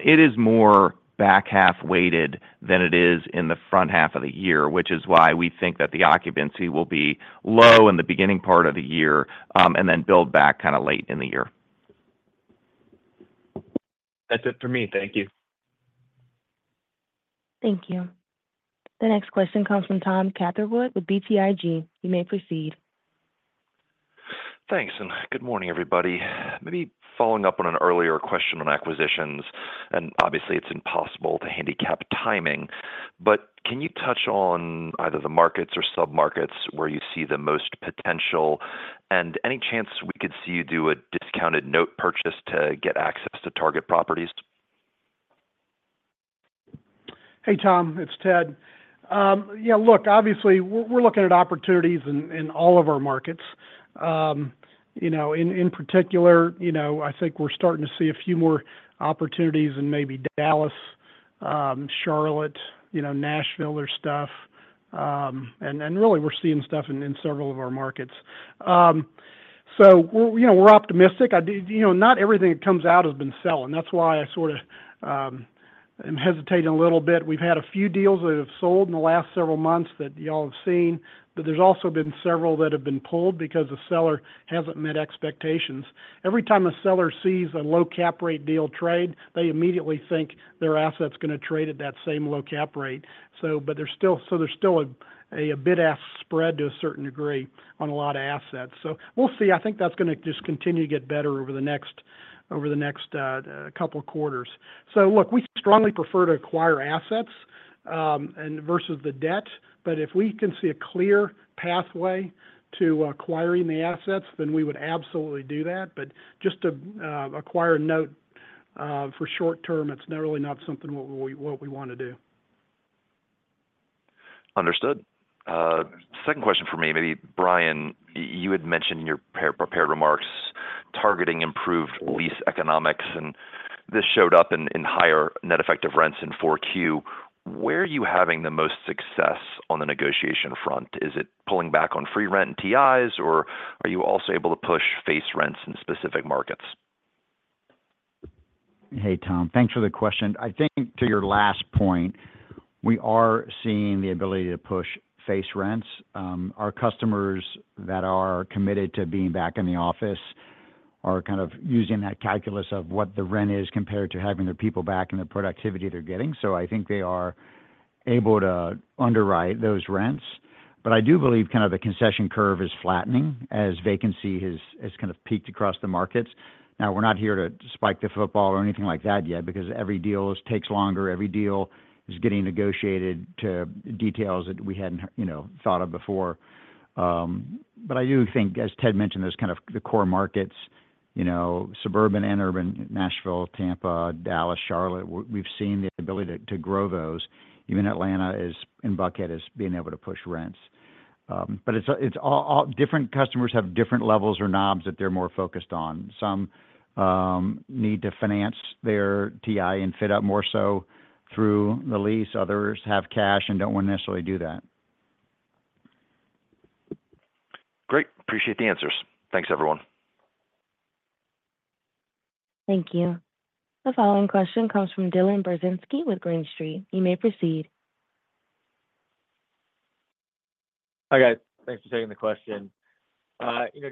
it is more back-half weighted than it is in the front half of the year, which is why we think that the occupancy will be low in the beginning part of the year and then build back kind of late in the year. That's it for me. Thank you. Thank you. The next question comes from Tom Catherwood with BTIG. You may proceed. Thanks. And good morning, everybody. Maybe following up on an earlier question on acquisitions. And obviously, it's impossible to handicap timing. But can you touch on either the markets or sub-markets where you see the most potential and any chance we could see you do a discounted note purchase to get access to target properties? Hey, Tom, it's Ted. Yeah, look, obviously, we're looking at opportunities in all of our markets. In particular, I think we're starting to see a few more opportunities in maybe Dallas, Charlotte, Nashville, there, stuff, and really, we're seeing stuff in several of our markets, so we're optimistic. Not everything that comes out has been selling. That's why I sort of am hesitating a little bit. We've had a few deals that have sold in the last several months that y'all have seen, but there's also been several that have been pulled because the seller hasn't met expectations. Every time a seller sees a low cap rate deal trade, they immediately think their asset's going to trade at that same low cap rate, but there's still a bid-ask spread to a certain degree on a lot of assets, so we'll see. I think that's going to just continue to get better over the next couple of quarters. So look, we strongly prefer to acquire assets versus the debt. But if we can see a clear pathway to acquiring the assets, then we would absolutely do that. But just to acquire a note for short term, it's really not something that we want to do. Understood. Second question for me, maybe Brian, you had mentioned in your prepared remarks targeting improved lease economics. And this showed up in higher net effective rents in 4Q. Where are you having the most success on the negotiation front? Is it pulling back on free rent and TIs, or are you also able to push face rents in specific markets? Hey, Tom, thanks for the question. I think to your last point, we are seeing the ability to push face rents. Our customers that are committed to being back in the office are kind of using that calculus of what the rent is compared to having their people back and the productivity they're getting. So I think they are able to underwrite those rents. But I do believe kind of the concession curve is flattening as vacancy has kind of peaked across the markets. Now, we're not here to spike the football or anything like that yet because every deal takes longer. Every deal is getting negotiated to details that we hadn't thought of before. But I do think, as Ted mentioned, there's kind of the core markets, suburban and urban, Nashville, Tampa, Dallas, Charlotte. We've seen the ability to grow those. Even Atlanta is in bucket as being able to push rents. But different customers have different levels or knobs that they're more focused on. Some need to finance their TI and fit up more so through the lease. Others have cash and don't want to necessarily do that. Great. Appreciate the answers. Thanks, everyone. Thank you. The following question comes from Dylan Burzinski with Green Street. You may proceed. Hi, guys. Thanks for taking the question.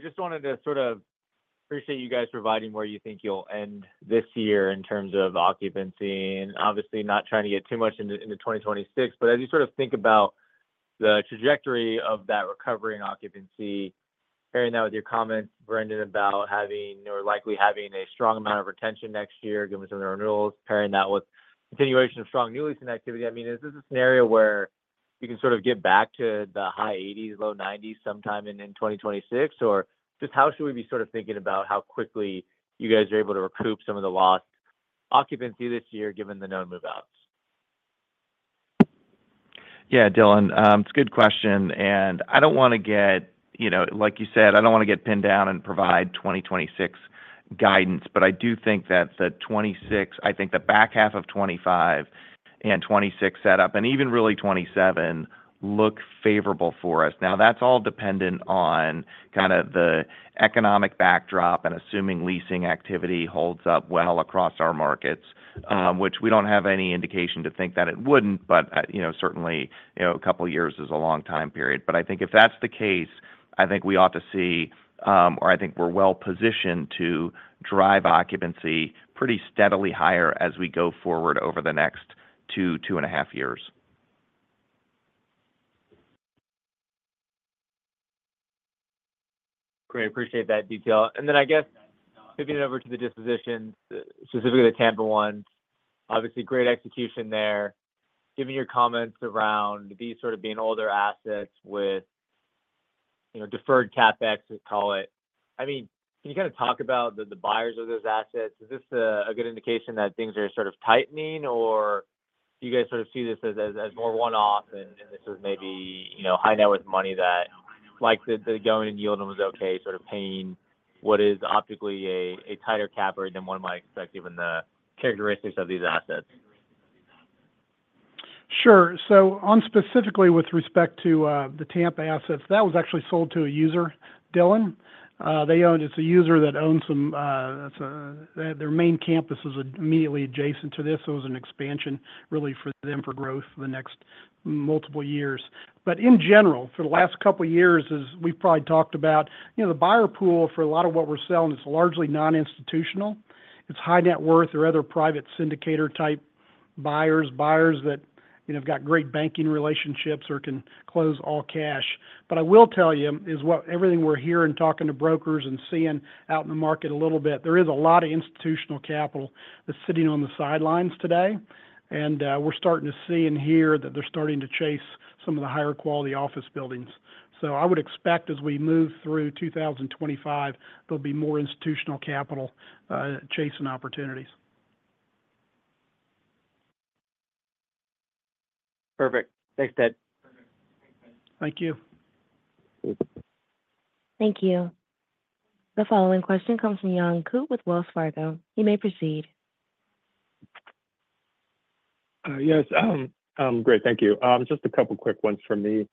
Just wanted to sort of appreciate you guys providing where you think you'll end this year in terms of occupancy. And obviously, not trying to get too much into 2026. But as you sort of think about the trajectory of that recovery in occupancy, pairing that with your comments, Brendan, about likely having a strong amount of retention next year, given some of the renewals, pairing that with continuation of strong new leasing activity, I mean, is this a scenario where you can sort of get back to the high 80s, low 90s sometime in 2026?Or just how should we be sort of thinking about how quickly you guys are able to recoup some of the lost occupancy this year given the known move-outs? Yeah, Dylan, it's a good question. I don't want to get, like you said, I don't want to get pinned down and provide 2026 guidance. But I do think that the 2026, I think the back half of 2025 and 2026 setup, and even really 2027, look favorable for us. Now, that's all dependent on kind of the economic backdrop and assuming leasing activity holds up well across our markets, which we don't have any indication to think that it wouldn't. But certainly, a couple of years is a long time period. But I think if that's the case, I think we ought to see, or I think we're well positioned to drive occupancy pretty steadily higher as we go forward over the next two, two and a half years. Great. Appreciate that detail. And then I guess pivoting over to the disposition, specifically the Tampa ones, obviously great execution there. Given your comments around these sort of being older assets with deferred CapEx, we call it, I mean, can you kind of talk about the buyers of those assets? Is this a good indication that things are sort of tightening, or do you guys sort of see this as more one-off and this is maybe high-net-worth money that like the going-in yield was okay, sort of paying what is optically a tighter cap rate than one might expect given the characteristics of these assets? Sure. So, specifically with respect to the Tampa assets, that was actually sold to a user, Dylan. It's a user that owns some their main campus is immediately adjacent to this. It was an expansion really for them for growth for the next multiple years. But in general, for the last couple of years, we've probably talked about the buyer pool for a lot of what we're selling is largely non-institutional. It's high-net-worth or other private syndicator-type buyers, buyers that have got great banking relationships or can close all cash. But I will tell you, is what everything we're hearing and talking to brokers and seeing out in the market a little bit, there is a lot of institutional capital that's sitting on the sidelines today. And we're starting to see and hear that they're starting to chase some of the higher quality office buildings. So I would expect as we move through 2025, there'll be more institutional capital chasing opportunities. Perfect. Thanks, Ted. Thank you. Thank you. The following question comes from Young Ku with Wells Fargo. You may proceed. Yes. Great. Thank you. Just a couple of quick ones from me.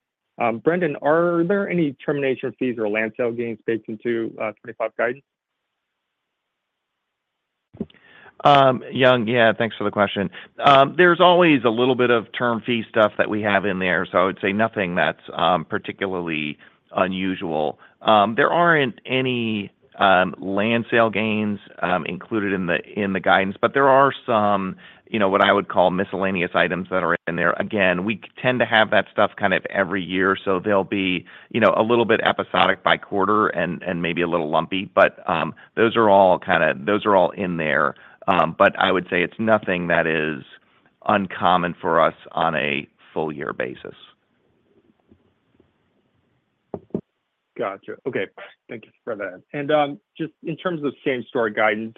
Brendan, are there any termination fees or land sale gains baked into 2025 guidance? Yeah, thanks for the question. There's always a little bit of termination fee stuff that we have in there. So I would say nothing that's particularly unusual. There aren't any land sale gains included in the guidance, but there are some what I would call miscellaneous items that are in there. Again, we tend to have that stuff kind of every year. So they'll be a little bit episodic by quarter and maybe a little lumpy. But those are all kind of those are all in there. But I would say it's nothing that is uncommon for us on a full year basis. Gotcha. Okay. Thank you for that. And just in terms of same-store guidance,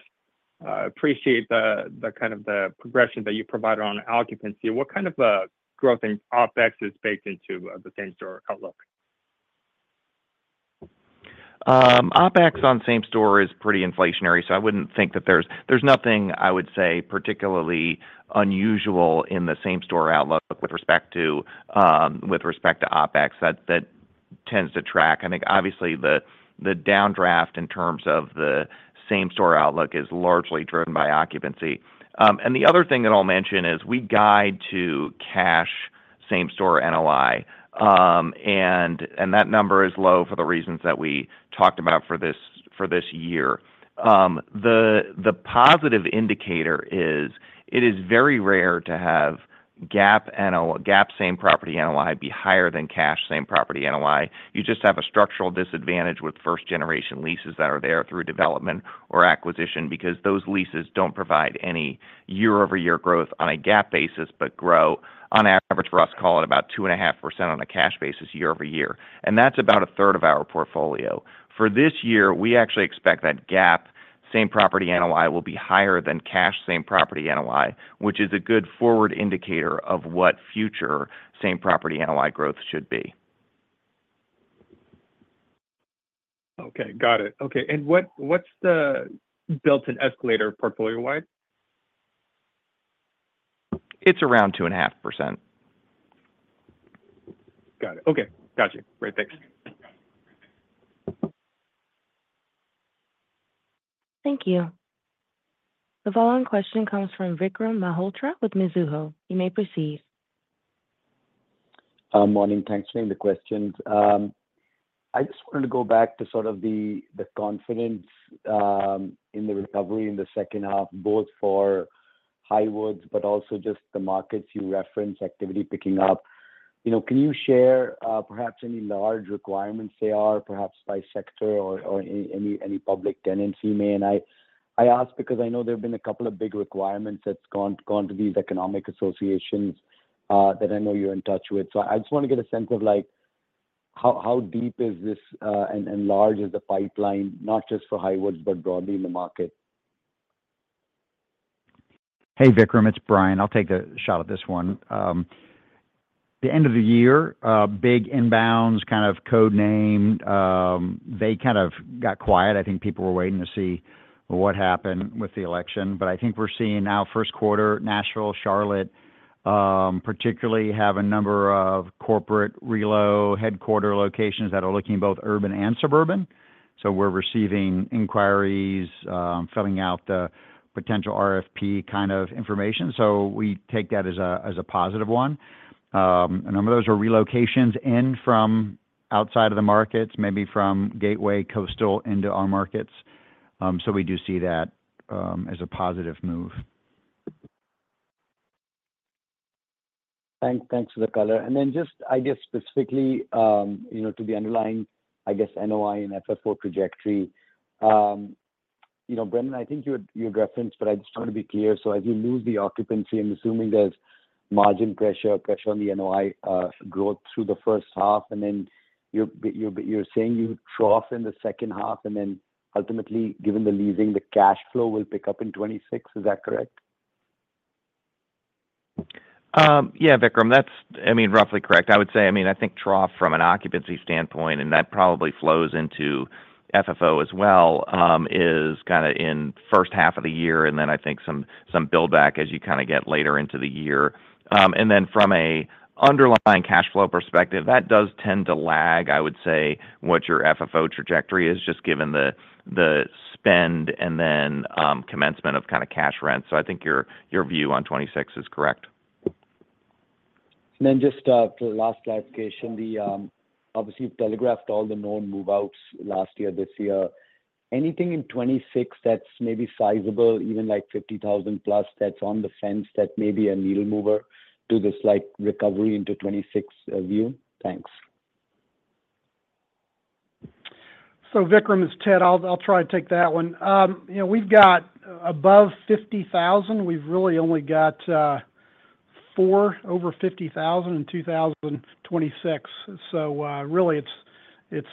I appreciate the kind of progression that you provided on occupancy. What kind of growth in OpEx is baked into the same-store outlook? OpEx on same-store is pretty inflationary. So I wouldn't think that there's nothing I would say particularly unusual in the same-store outlook with respect to OpEx that tends to track. I think obviously the downdraft in terms of the same-store outlook is largely driven by occupancy. And the other thing that I'll mention is we guide to cash same-store NOI. And that number is low for the reasons that we talked about for this year. The positive indicator is it is very rare to have GAAP same-property NOI be higher than cash same-property NOI. You just have a structural disadvantage with first-generation leases that are there through development or acquisition because those leases don't provide any year-over-year growth on a GAAP basis, but grow on average, for us, call it about 2.5% on a cash basis year-over-year. And that's about a third of our portfolio. For this year, we actually expect that GAAP same-property NOI will be higher than cash same-property NOI, which is a good forward indicator of what future same-property NOI growth should be. Okay. Got it. Okay. And what's the built-in escalator portfolio-wide? It's around 2.5%. Got it. Okay. Gotcha. Great. Thanks. Thank you. The following question comes from Vikram Malhotra with Mizuho. You may proceed. Good morning. Thanks for the questions. I just wanted to go back to sort of the confidence in the recovery in the second half, both for Highwoods, but also just the markets you referenced, activity picking up. Can you share perhaps any large requirements they are, perhaps by sector or any public tenants? I ask because I know there have been a couple of big requirements that's gone to these economic associations that I know you're in touch with. So I just want to get a sense of how deep is this and large is the pipeline, not just for Highwoods, but broadly in the market? Hey, Vikram, it's Brian. I'll take a shot at this one. The end of the year, big inbounds kind of code named, they kind of got quiet. I think people were waiting to see what happened with the election. But I think we're seeing now first quarter, Nashville, Charlotte, particularly have a number of corporate relo headquarter locations that are looking both urban and suburban. So we're receiving inquiries, filling out the potential RFP kind of information. So we take that as a positive one. A number of those are relocations in from outside of the markets, maybe from Gateway, Coastal into our markets. So we do see that as a positive move. Thanks for the color. And then just I guess specifically to the underlying, I guess, NOI and FFO trajectory, Brendan, I think you'd referenced, but I just want to be clear. So as you lose the occupancy, I'm assuming there's margin pressure, pressure on the NOI growth through the first half. And then you're saying you trough in the second half, and then ultimately, given the leasing, the cash flow will pick up in 2026. Is that correct? Yeah, Vikram, that's I mean, roughly correct. I would say, I mean, I think trough from an occupancy standpoint, and that probably flows into FFO as well, is kind of in first half of the year. And then I think some buildback as you kind of get later into the year. And then from an underlying cash flow perspective, that does tend to lag, I would say, what your FFO trajectory is just given the spend and then commencement of kind of cash rents. So I think your view on 2026 is correct. And then just for the last clarification, obviously, you've telegraphed all the known move-outs last year, this year. Anything in 2026 that's maybe sizable, even like 50,000+, that's on the fence that may be a needle mover to this recovery into 2026 view? Thanks. So, Vikram, it's Ted. I'll try to take that one. We've got above 50,000. We've really only got four over 50,000 in 2026. So really, it's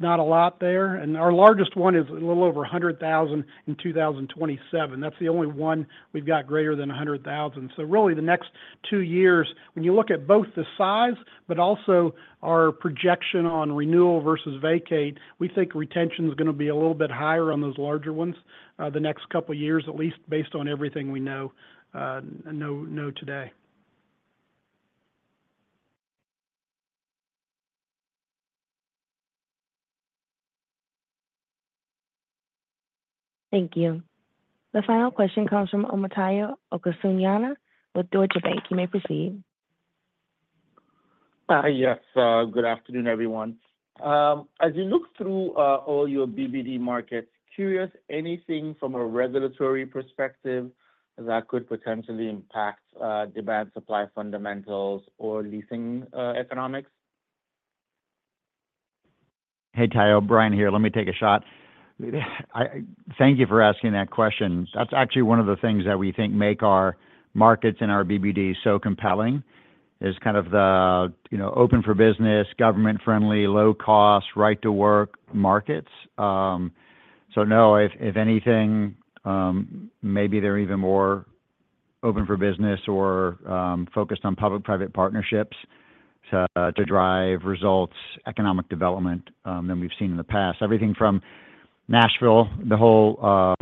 not a lot there. And our largest one is a little over 100,000 in 2027. That's the only one we've got greater than 100,000. So really, the next two years, when you look at both the size, but also our projection on renewal versus vacate, we think retention is going to be a little bit higher on those larger ones the next couple of years, at least based on everything we know today. Thank you. The final question comes from Omotayo Okusanya with Deutsche Bank. You may proceed. Yes. Good afternoon, everyone. As you look through all your BBD markets, curious anything from a regulatory perspective that could potentially impact demand-supply fundamentals or leasing economics? Hey, Tayo, Brian here. Let me take a shot. Thank you for asking that question. That's actually one of the things that we think make our markets and our BBD so compelling: kind of the open for business, government-friendly, low-cost, right-to-work markets. So no, if anything, maybe they're even more open for business or focused on public-private partnerships to drive results, economic development than we've seen in the past. Everything from Nashville: the whole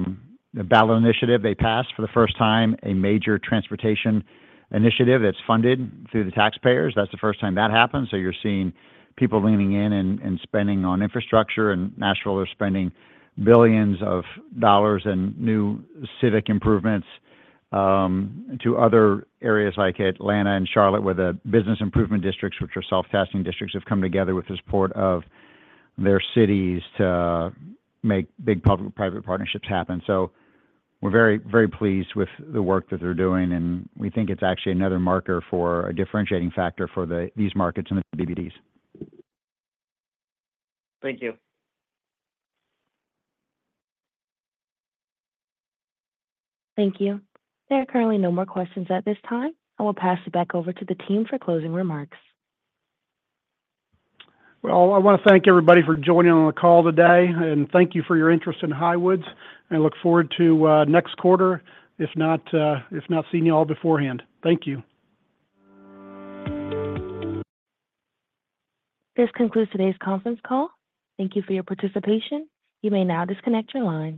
ballot initiative they passed for the first time, a major transportation initiative that's funded through the taxpayers. That's the first time that happened. So you're seeing people leaning in and spending on infrastructure, and Nashville, they're spending billions of dollars and new civic improvements to other areas like Atlanta and Charlotte where the business improvement districts, which are self-taxing districts, have come together with the support of their cities to make big public-private partnerships happen. So we're very, very pleased with the work that they're doing. And we think it's actually another marker for a differentiating factor for these markets and the BBDs. Thank you. Thank you. There are currently no more questions at this time. I will pass it back over to the team for closing remarks. Well, I want to thank everybody for joining on the call today. And thank you for your interest in Highwoods. I look forward to next quarter, if not seeing you all beforehand. Thank you. This concludes today's conference call. Thank you for your participation. You may now disconnect your line.